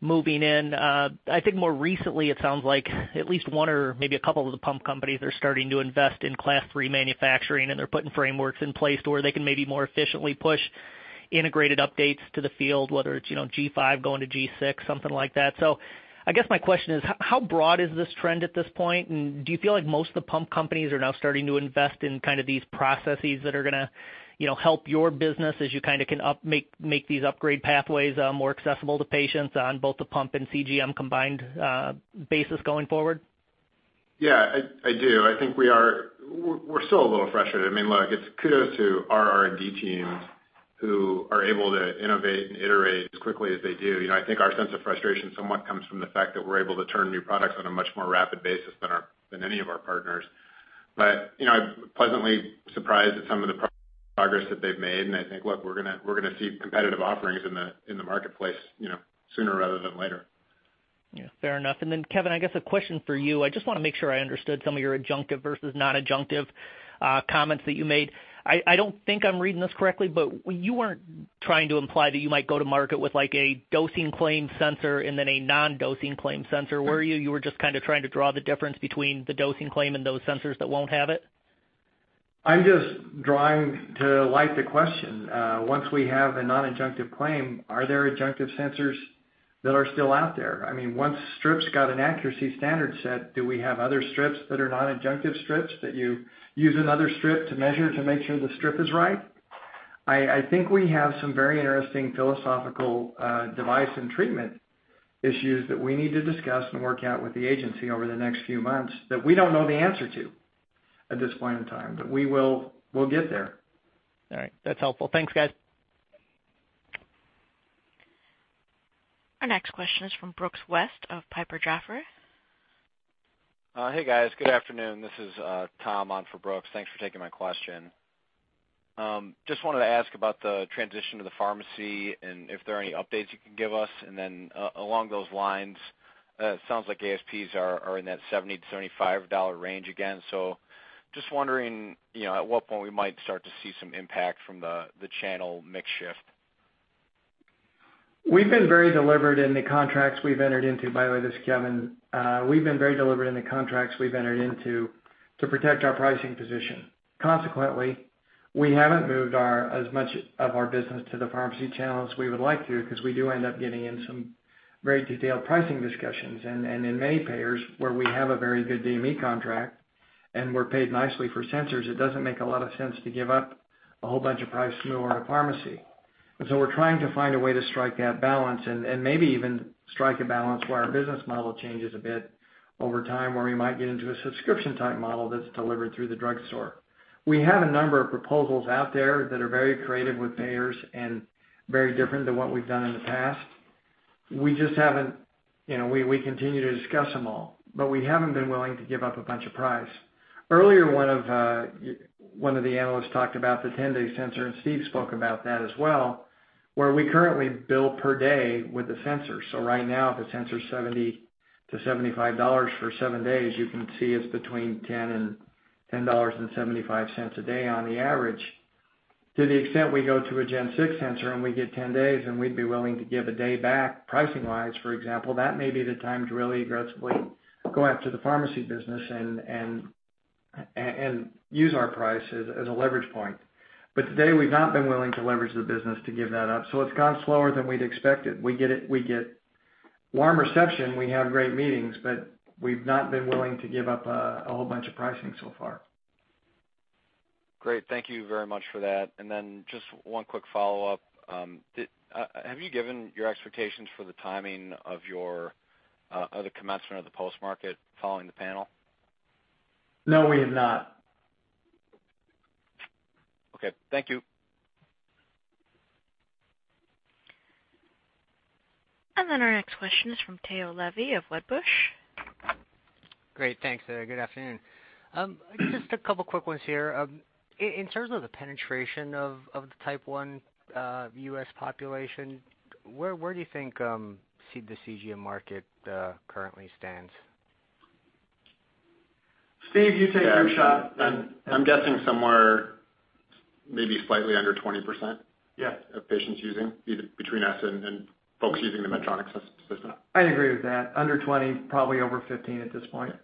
moving in. I think more recently it sounds like at least one or maybe a couple of the pump companies are starting to invest in Class III manufacturing, and they're putting frameworks in place to where they can maybe more efficiently push integrated updates to the field, whether it's, you know, G5 going to G6, something like that. I guess my question is, how broad is this trend at this point? Do you feel like most of the pump companies are now starting to invest in kind of these processes that are gonna, you know, help your business as you kind of make these upgrade pathways more accessible to patients on both the pump and CGM combined basis going forward? Yeah, I do. I think we're still a little frustrated. I mean, look, it's kudos to our R&D teams who are able to innovate and iterate as quickly as they do. You know, I think our sense of frustration somewhat comes from the fact that we're able to turn new products on a much more rapid basis than any of our partners. You know, I'm pleasantly surprised at some of the progress that they've made, and I think, look, we're gonna see competitive offerings in the marketplace sooner rather than later. Yeah. Fair enough. Kevin, I guess a question for you. I just wanna make sure I understood some of your adjunctive versus non-adjunctive comments that you made. I don't think I'm reading this correctly, but you weren't trying to imply that you might go to market with like a dosing claim sensor and then a non-dosing claim sensor, were you? You were just kind of trying to draw the difference between the dosing claim and those sensors that won't have it? I'm just drawing to light the question. Once we have a non-adjunctive claim, are there adjunctive sensors that are still out there? I mean, once strips got an accuracy standard set, do we have other strips that are not adjunctive strips that you use another strip to measure to make sure the strip is right? I think we have some very interesting philosophical device and treatment issues that we need to discuss and work out with the agency over the next few months that we don't know the answer to at this point in time, but we will get there. All right. That's helpful. Thanks, guys. Our next question is from Brooks West of Piper Jaffray. Hey, guys. Good afternoon. This is Tom on for Brooks. Thanks for taking my question. Just wanted to ask about the transition to the pharmacy and if there are any updates you can give us. Along those lines, it sounds like ASPs are in that $70-$75 dollar range again. Just wondering, you know, at what point we might start to see some impact from the channel mix shift. We've been very deliberate in the contracts we've entered into. By the way, this is Kevin. We've been very deliberate in the contracts we've entered into to protect our pricing position. Consequently, we haven't moved our as much of our business to the pharmacy channel as we would like to because we do end up getting in some very detailed pricing discussions. In many payers where we have a very good DME contract and we're paid nicely for sensors, it doesn't make a lot of sense to give up a whole bunch of price to go into pharmacy. We're trying to find a way to strike that balance and maybe even strike a balance where our business model changes a bit over time, where we might get into a subscription-type model that's delivered through the drugstore. We have a number of proposals out there that are very creative with payers and very different than what we've done in the past. We just haven't, you know, we continue to discuss them all, but we haven't been willing to give up a bunch of price. Earlier, one of the analysts talked about the ten-day sensor, and Steve spoke about that as well, where we currently bill per day with the sensor. So right now, the sensor's $70-$75 for seven days. You can see it's between $10 and $10.75 a day on average. To the extent we go to a Gen 6 sensor and we get 10 days and we'd be willing to give a day back pricing-wise, for example, that may be the time to really aggressively go after the pharmacy business and use our price as a leverage point. Today, we've not been willing to leverage the business to give that up. It's gone slower than we'd expected. We get warm reception. We have great meetings, but we've not been willing to give up a whole bunch of pricing so far. Great. Thank you very much for that. Just one quick follow-up. Have you given your expectations for the timing of the commencement of the post market following the panel? No, we have not. Okay. Thank you. Our next question is from Tao Levy of Wedbush. Great. Thanks. Good afternoon. Just a couple quick ones here. In terms of the penetration of the Type 1 U.S. population, where do you see the CGM market currently stands? Steve, you take your shot. Yeah. I'm guessing somewhere maybe slightly under 20%. Yeah of patients using between us and folks using the Medtronic system. I agree with that. Under 20%, probably over 15% at this point.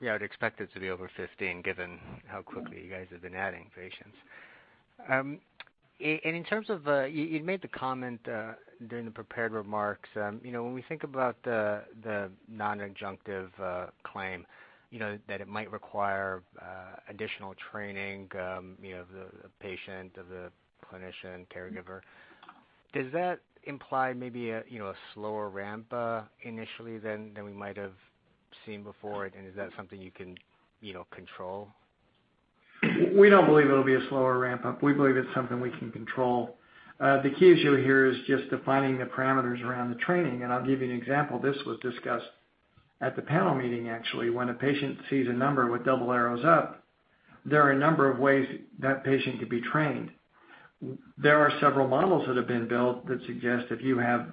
Yeah, I'd expect it to be over 15%, given how quickly you guys have been adding patients. And in terms of, you made the comment during the prepared remarks, you know, when we think about the non-adjunctive claim, you know, that it might require additional training, you know, of the patient, of the clinician, caregiver. Does that imply maybe, you know, a slower ramp up initially than we might have seen before? Is that something you can, you know, control? We don't believe it'll be a slower ramp up. We believe it's something we can control. The key issue here is just defining the parameters around the training. I'll give you an example. This was discussed at the panel meeting, actually. When a patient sees a number with double arrows up, there are a number of ways that patient could be trained. There are several models that have been built that suggest if you have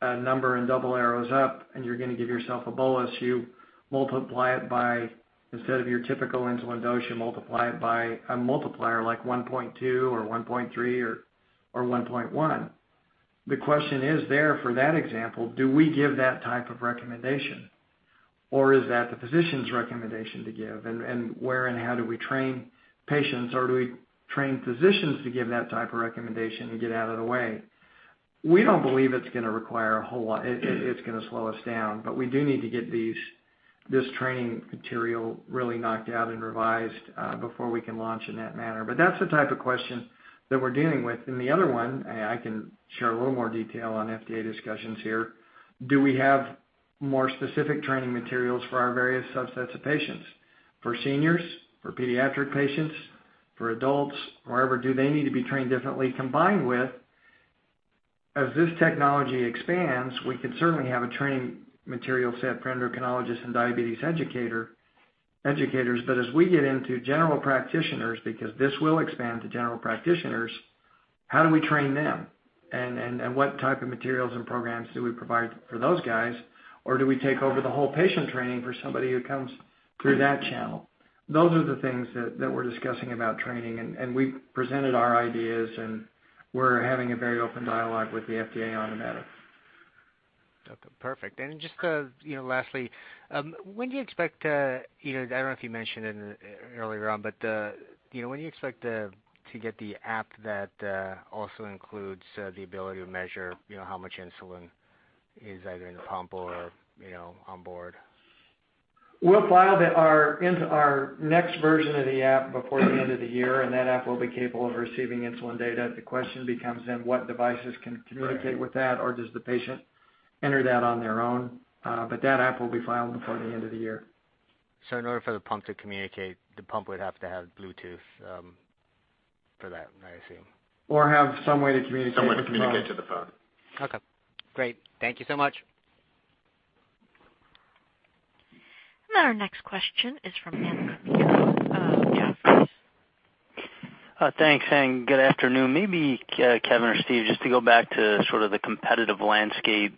a number and double arrows up and you're gonna give yourself a bolus, you multiply it by, instead of your typical insulin dose, you multiply it by a multiplier like 1.2 or 1.3 or 1.1. The question is there for that example, do we give that type of recommendation or is that the physician's recommendation to give? Where and how do we train patients or do we train physicians to give that type of recommendation and get out of the way? We don't believe it's gonna require a whole lot. It's gonna slow us down, but we do need to get this training material really knocked out and revised before we can launch in that manner. That's the type of question that we're dealing with. I can share a little more detail on FDA discussions here. Do we have more specific training materials for our various subsets of patients, for seniors, for pediatric patients, for adults, wherever? Do they need to be trained differently? Combined with, as this technology expands, we can certainly have a training material set for endocrinologists and diabetes educators. As we get into general practitioners, because this will expand to general practitioners, how do we train them? What type of materials and programs do we provide for those guys? Or do we take over the whole patient training for somebody who comes through that channel? Those are the things that we're discussing about training, and we presented our ideas, and we're having a very open dialogue with the FDA on the matter. Okay, perfect. Just, you know, lastly, when do you expect, you know, I don't know if you mentioned it earlier on, but, you know, when do you expect to get the app that also includes the ability to measure, you know, how much insulin is either in the pump or, you know, on board? We'll file our next version of the app before the end of the year, and that app will be capable of receiving insulin data. The question becomes what devices can communicate with that or does the patient enter that on their own? That app will be filed before the end of the year. In order for the pump to communicate, the pump would have to have Bluetooth, for that, I assume. Have some way to communicate with the phone. Some way to communicate to the phone. Okay, great. Thank you so much. Our next question is from. Thanks, and good afternoon. Maybe, Kevin or Steve, just to go back to sort of the competitive landscape,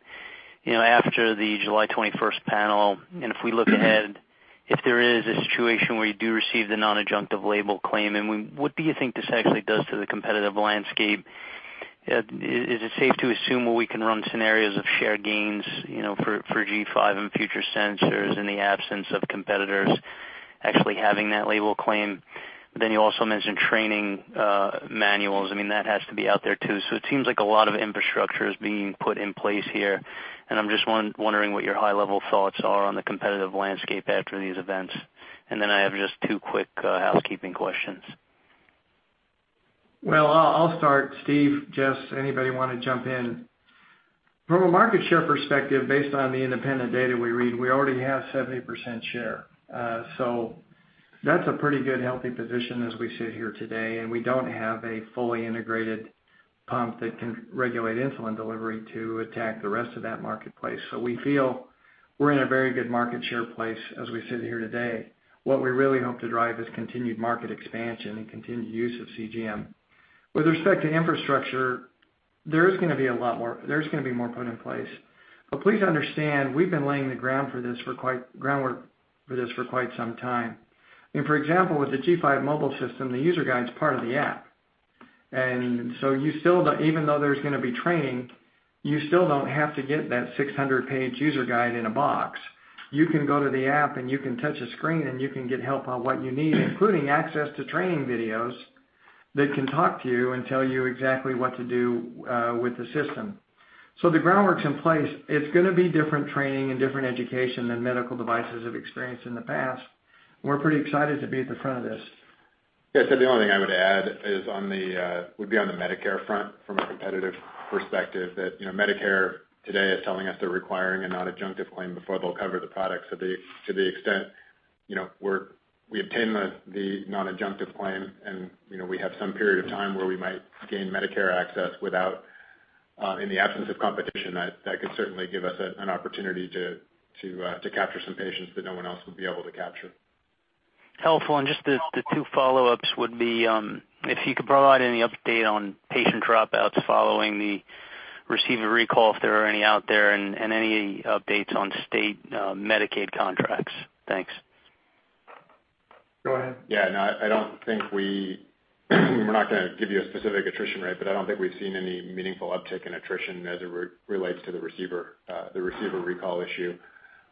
you know, after the July 21st panel, and if we look ahead, if there is a situation where you do receive the non-adjunctive label claim and win, what do you think this actually does to the competitive landscape? Is it safe to assume, well, we can run scenarios of shared gains, you know, for G5 and future sensors in the absence of competitors actually having that label claim? Then you also mentioned training manuals. I mean, that has to be out there too. So it seems like a lot of infrastructure is being put in place here, and I'm just wondering what your high level thoughts are on the competitive landscape after these events. Then I have just two quick housekeeping questions. Well, I'll start. Steve, Jess, anybody wanna jump in. From a market share perspective, based on the independent data we read, we already have 70% share. So that's a pretty good, healthy position as we sit here today, and we don't have a fully integrated pump that can regulate insulin delivery to attack the rest of that marketplace. We feel we're in a very good market share place as we sit here today. What we really hope to drive is continued market expansion and continued use of CGM. With respect to infrastructure, there is gonna be a lot more put in place. Please understand, we've been laying the groundwork for this for quite some time. I mean, for example, with the G5 Mobile System, the user guide's part of the app. You still don't—even though there's gonna be training, you still don't have to get that 600-page user guide in a box. You can go to the app, and you can touch a screen, and you can get help on what you need, including access to training videos that can talk to you and tell you exactly what to do, with the system. The groundwork's in place. It's gonna be different training and different education than medical devices have experienced in the past. We're pretty excited to be at the front of this. Yeah. The only thing I would add would be on the Medicare front from a competitive perspective that, you know, Medicare today is telling us they're requiring a non-adjunctive claim before they'll cover the product. To the extent, you know, we obtain the non-adjunctive claim and, you know, we have some period of time where we might gain Medicare access without, in the absence of competition, that could certainly give us an opportunity to capture some patients that no one else would be able to capture. Helpful. Just the two follow-ups would be, if you could provide any update on patient dropouts following the receiver recall, if there are any out there, and any updates on state Medicaid contracts. Thanks. Go ahead. Yeah. No, I don't think we're not gonna give you a specific attrition rate, but I don't think we've seen any meaningful uptick in attrition as it relates to the receiver recall issue.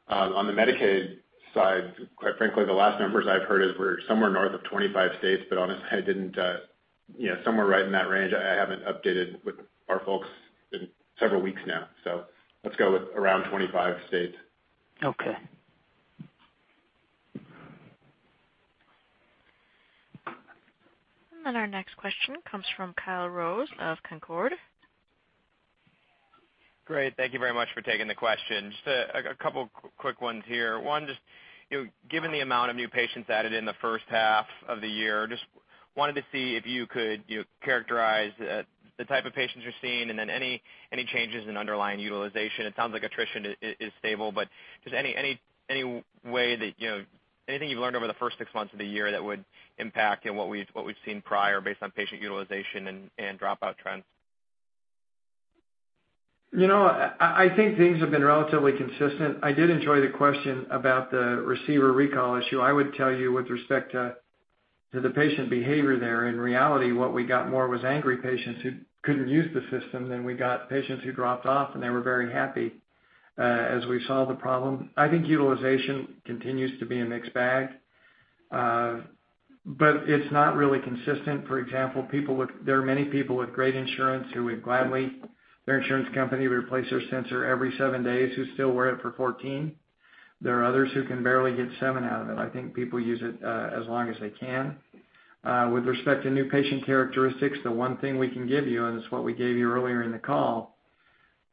On the Medicaid side, quite frankly, the last numbers I've heard is we're somewhere north of 25 states, but honestly, I didn't, you know, somewhere right in that range. I haven't updated with our folks in several weeks now. Let's go with around 25 states. Okay. Our next question comes from Kyle Rose of Canaccord. Great. Thank you very much for taking the question. Just a couple quick ones here. One, just, you know, given the amount of new patients added in the first half of the year, just wanted to see if you could, you know, characterize, the type of patients you're seeing and then any way that, you know, anything you've learned over the first six months of the year that would impact, you know, what we've seen prior based on patient utilization and dropout trends? You know, I think things have been relatively consistent. I did enjoy the question about the receiver recall issue. I would tell you with respect to the patient behavior there, in reality, what we got more was angry patients who couldn't use the system than we got patients who dropped off, and they were very happy as we solved the problem. I think utilization continues to be a mixed bag. It's not really consistent. For example, there are many people with great insurance who would gladly their insurance company replace their sensor every seven days who still wear it for 14. There are others who can barely get seven out of it. I think people use it as long as they can. With respect to new patient characteristics, the one thing we can give you, and this is what we gave you earlier in the call,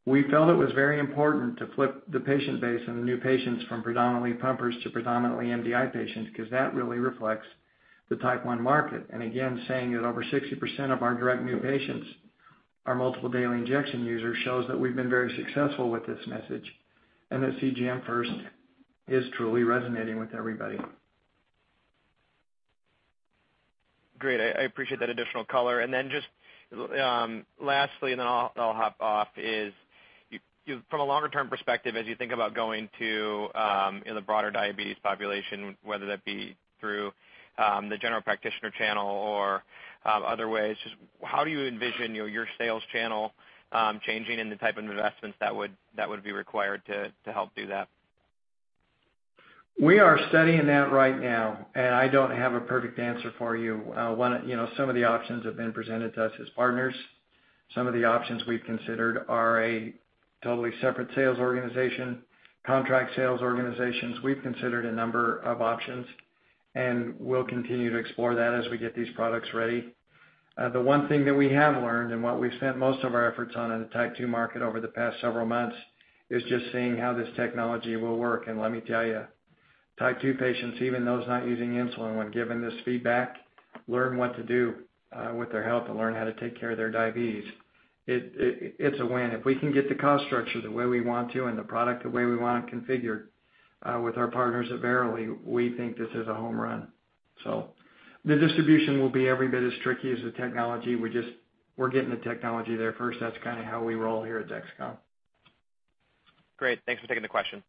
we felt it was very important to flip the patient base on the new patients from predominantly pumpers to predominantly MDI patients because that really reflects the Type 1 market. Again, saying that over 60% of our direct new patients are multiple daily injection users shows that we've been very successful with this message, and that CGM first is truly resonating with everybody. Great. I appreciate that additional color. Then just lastly, and then I'll hop off. You from a longer term perspective, as you think about going to in the broader diabetes population, whether that be through the general practitioner channel or other ways, just how do you envision, you know, your sales channel changing and the type of investments that would be required to help do that? We are studying that right now, and I don't have a perfect answer for you. You know, some of the options have been presented to us as partners. Some of the options we've considered are a totally separate sales organization, contract sales organizations. We've considered a number of options, and we'll continue to explore that as we get these products ready. The one thing that we have learned and what we've spent most of our efforts on in the type 2 market over the past several months is just seeing how this technology will work. Let me tell you, type 2 patients, even those not using insulin, when given this feedback, learn what to do with their health and learn how to take care of their diabetes. It's a win. If we can get the cost structure the way we want to and the product the way we want it configured, with our partners at Verily, we think this is a home run. The distribution will be every bit as tricky as the technology. We're getting the technology there first. That's kinda how we roll here at Dexcom. Great. Thanks for taking the question.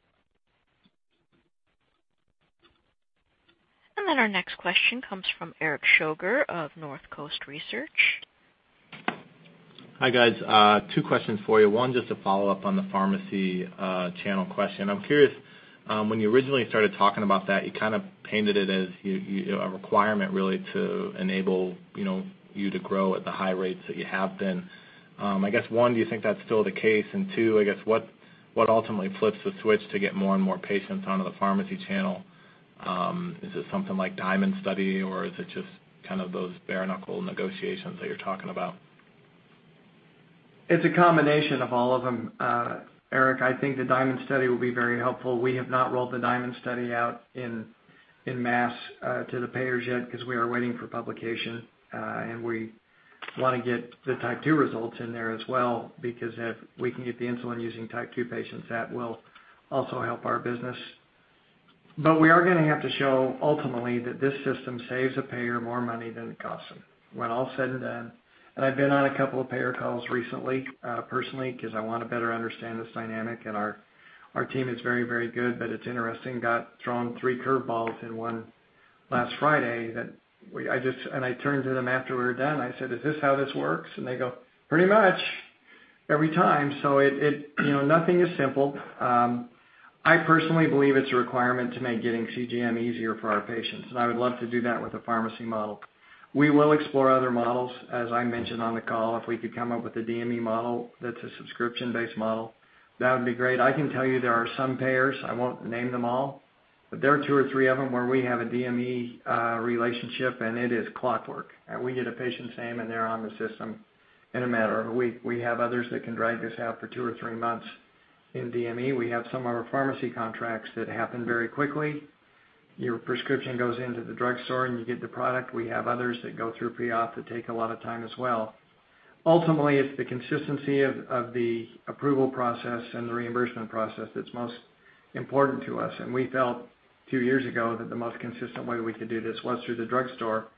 Our next question comes from Erik Shoger of Northcoast Research. Hi, guys. Two questions for you. One, just to follow up on the pharmacy channel question. I'm curious, when you originally started talking about that, you kind of painted it as you know, a requirement really to enable, you know, you to grow at the high rates that you have been. I guess one, do you think that's still the case? Two, I guess, what ultimately flips the switch to get more and more patients onto the pharmacy channel? Is it something like DIaMonD Study or is it just kind of those bare-knuckle negotiations that you're talking about? It's a combination of all of them. Erik, I think the DIaMonD Study will be very helpful. We have not rolled the DIaMonD Study out en masse to the payers yet because we are waiting for publication, and we want to get the type 2 results in there as well, because if we can get the insulin-using type 2 patients, that will also help our business. We are going to have to show ultimately that this system saves a payer more money than it costs them when all is said and done. I've been on a couple of payer calls recently, personally, because I want to better understand this dynamic, and our team is very, very good, but it's interesting. Got thrown three curve balls in one last Friday that we just. I turned to them after we were done, I said, "Is this how this works?" They go, "Pretty much every time." It you know nothing is simple. I personally believe it's a requirement to make getting CGM easier for our patients, and I would love to do that with a pharmacy model. We will explore other models. As I mentioned on the call, if we could come up with a DME model that's a subscription-based model, that would be great. I can tell you there are some payers, I won't name them all, but there are two or three of them where we have a DME relationship, and it is clockwork. We get a patient's name, and they're on the system in a matter of a week. We have others that can drag this out for two or three months in DME. We have some of our pharmacy contracts that happen very quickly. Your prescription goes into the drugstore, and you get the product. We have others that go through pre-op that take a lot of time as well. Ultimately, it's the consistency of the approval process and the reimbursement process that's most important to us. We felt a few years ago that the most consistent way we could do this was through the drugstore.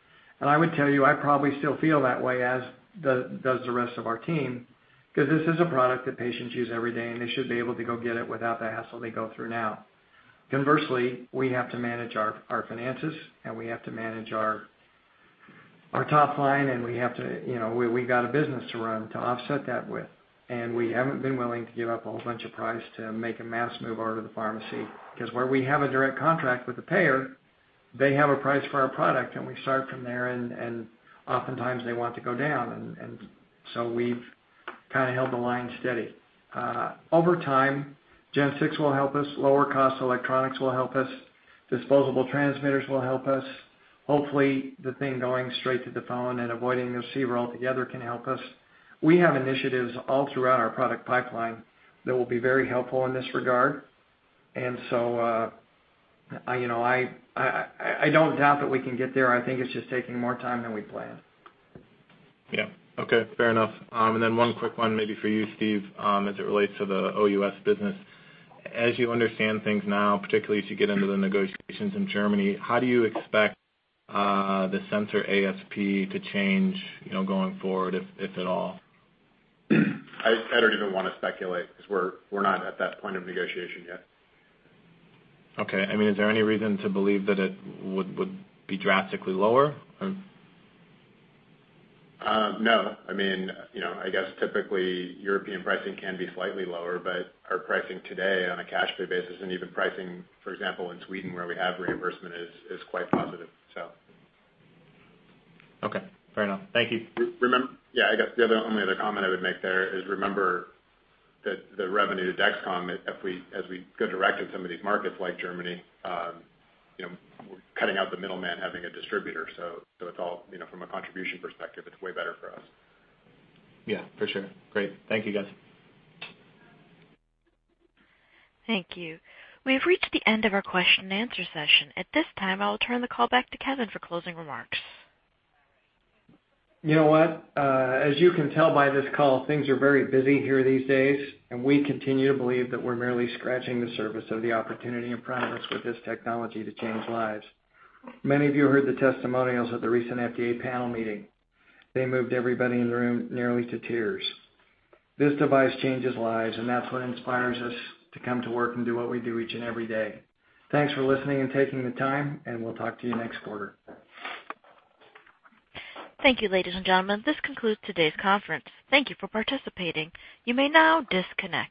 I would tell you, I probably still feel that way, as does the rest of our team, 'cause this is a product that patients use every day, and they should be able to go get it without the hassle they go through now. Conversely, we have to manage our finances, and we have to manage our top line, and we've got a business to run to offset that with. We haven't been willing to give up a whole bunch of price to make a mass move over to the pharmacy. 'Cause where we have a direct contract with the payer, they have a price for our product, and we start from there and oftentimes they want to go down. So we've kinda held the line steady. Over time, Gen 6 will help us. Lower cost electronics will help us. Disposable transmitters will help us. Hopefully, the thing going straight to the phone and avoiding the receiver altogether can help us. We have initiatives all throughout our product pipeline that will be very helpful in this regard. You know, I don't doubt that we can get there. I think it's just taking more time than we planned. Yeah. Okay. Fair enough. One quick one maybe for you, Steve, as it relates to the OUS business. As you understand things now, particularly as you get into the negotiations in Germany, how do you expect the sensor ASP to change, you know, going forward, if at all? I don't even wanna speculate 'cause we're not at that point of negotiation yet. Okay. I mean, is there any reason to believe that it would be drastically lower? No. I mean, you know, I guess typically European pricing can be slightly lower, but our pricing today on a cash pay basis and even pricing, for example, in Sweden where we have reimbursement is quite positive, so. Okay. Fair enough. Thank you. Remember... Yeah, I guess the only other comment I would make there is remember that the revenue to Dexcom, if we as we go direct in some of these markets like Germany, you know, we're cutting out the middleman, having a distributor. So it's all, you know, from a contribution perspective, it's way better for us. Yeah, for sure. Great. Thank you, guys. Thank you. We've reached the end of our question and answer session. At this time, I will turn the call back to Kevin for closing remarks. You know what? As you can tell by this call, things are very busy here these days, and we continue to believe that we're merely scratching the surface of the opportunity and progress with this technology to change lives. Many of you heard the testimonials at the recent FDA panel meeting. They moved everybody in the room nearly to tears. This device changes lives, and that's what inspires us to come to work and do what we do each and every day. Thanks for listening and taking the time, and we'll talk to you next quarter. Thank you, ladies and gentlemen. This concludes today's conference. Thank you for participating. You may now disconnect.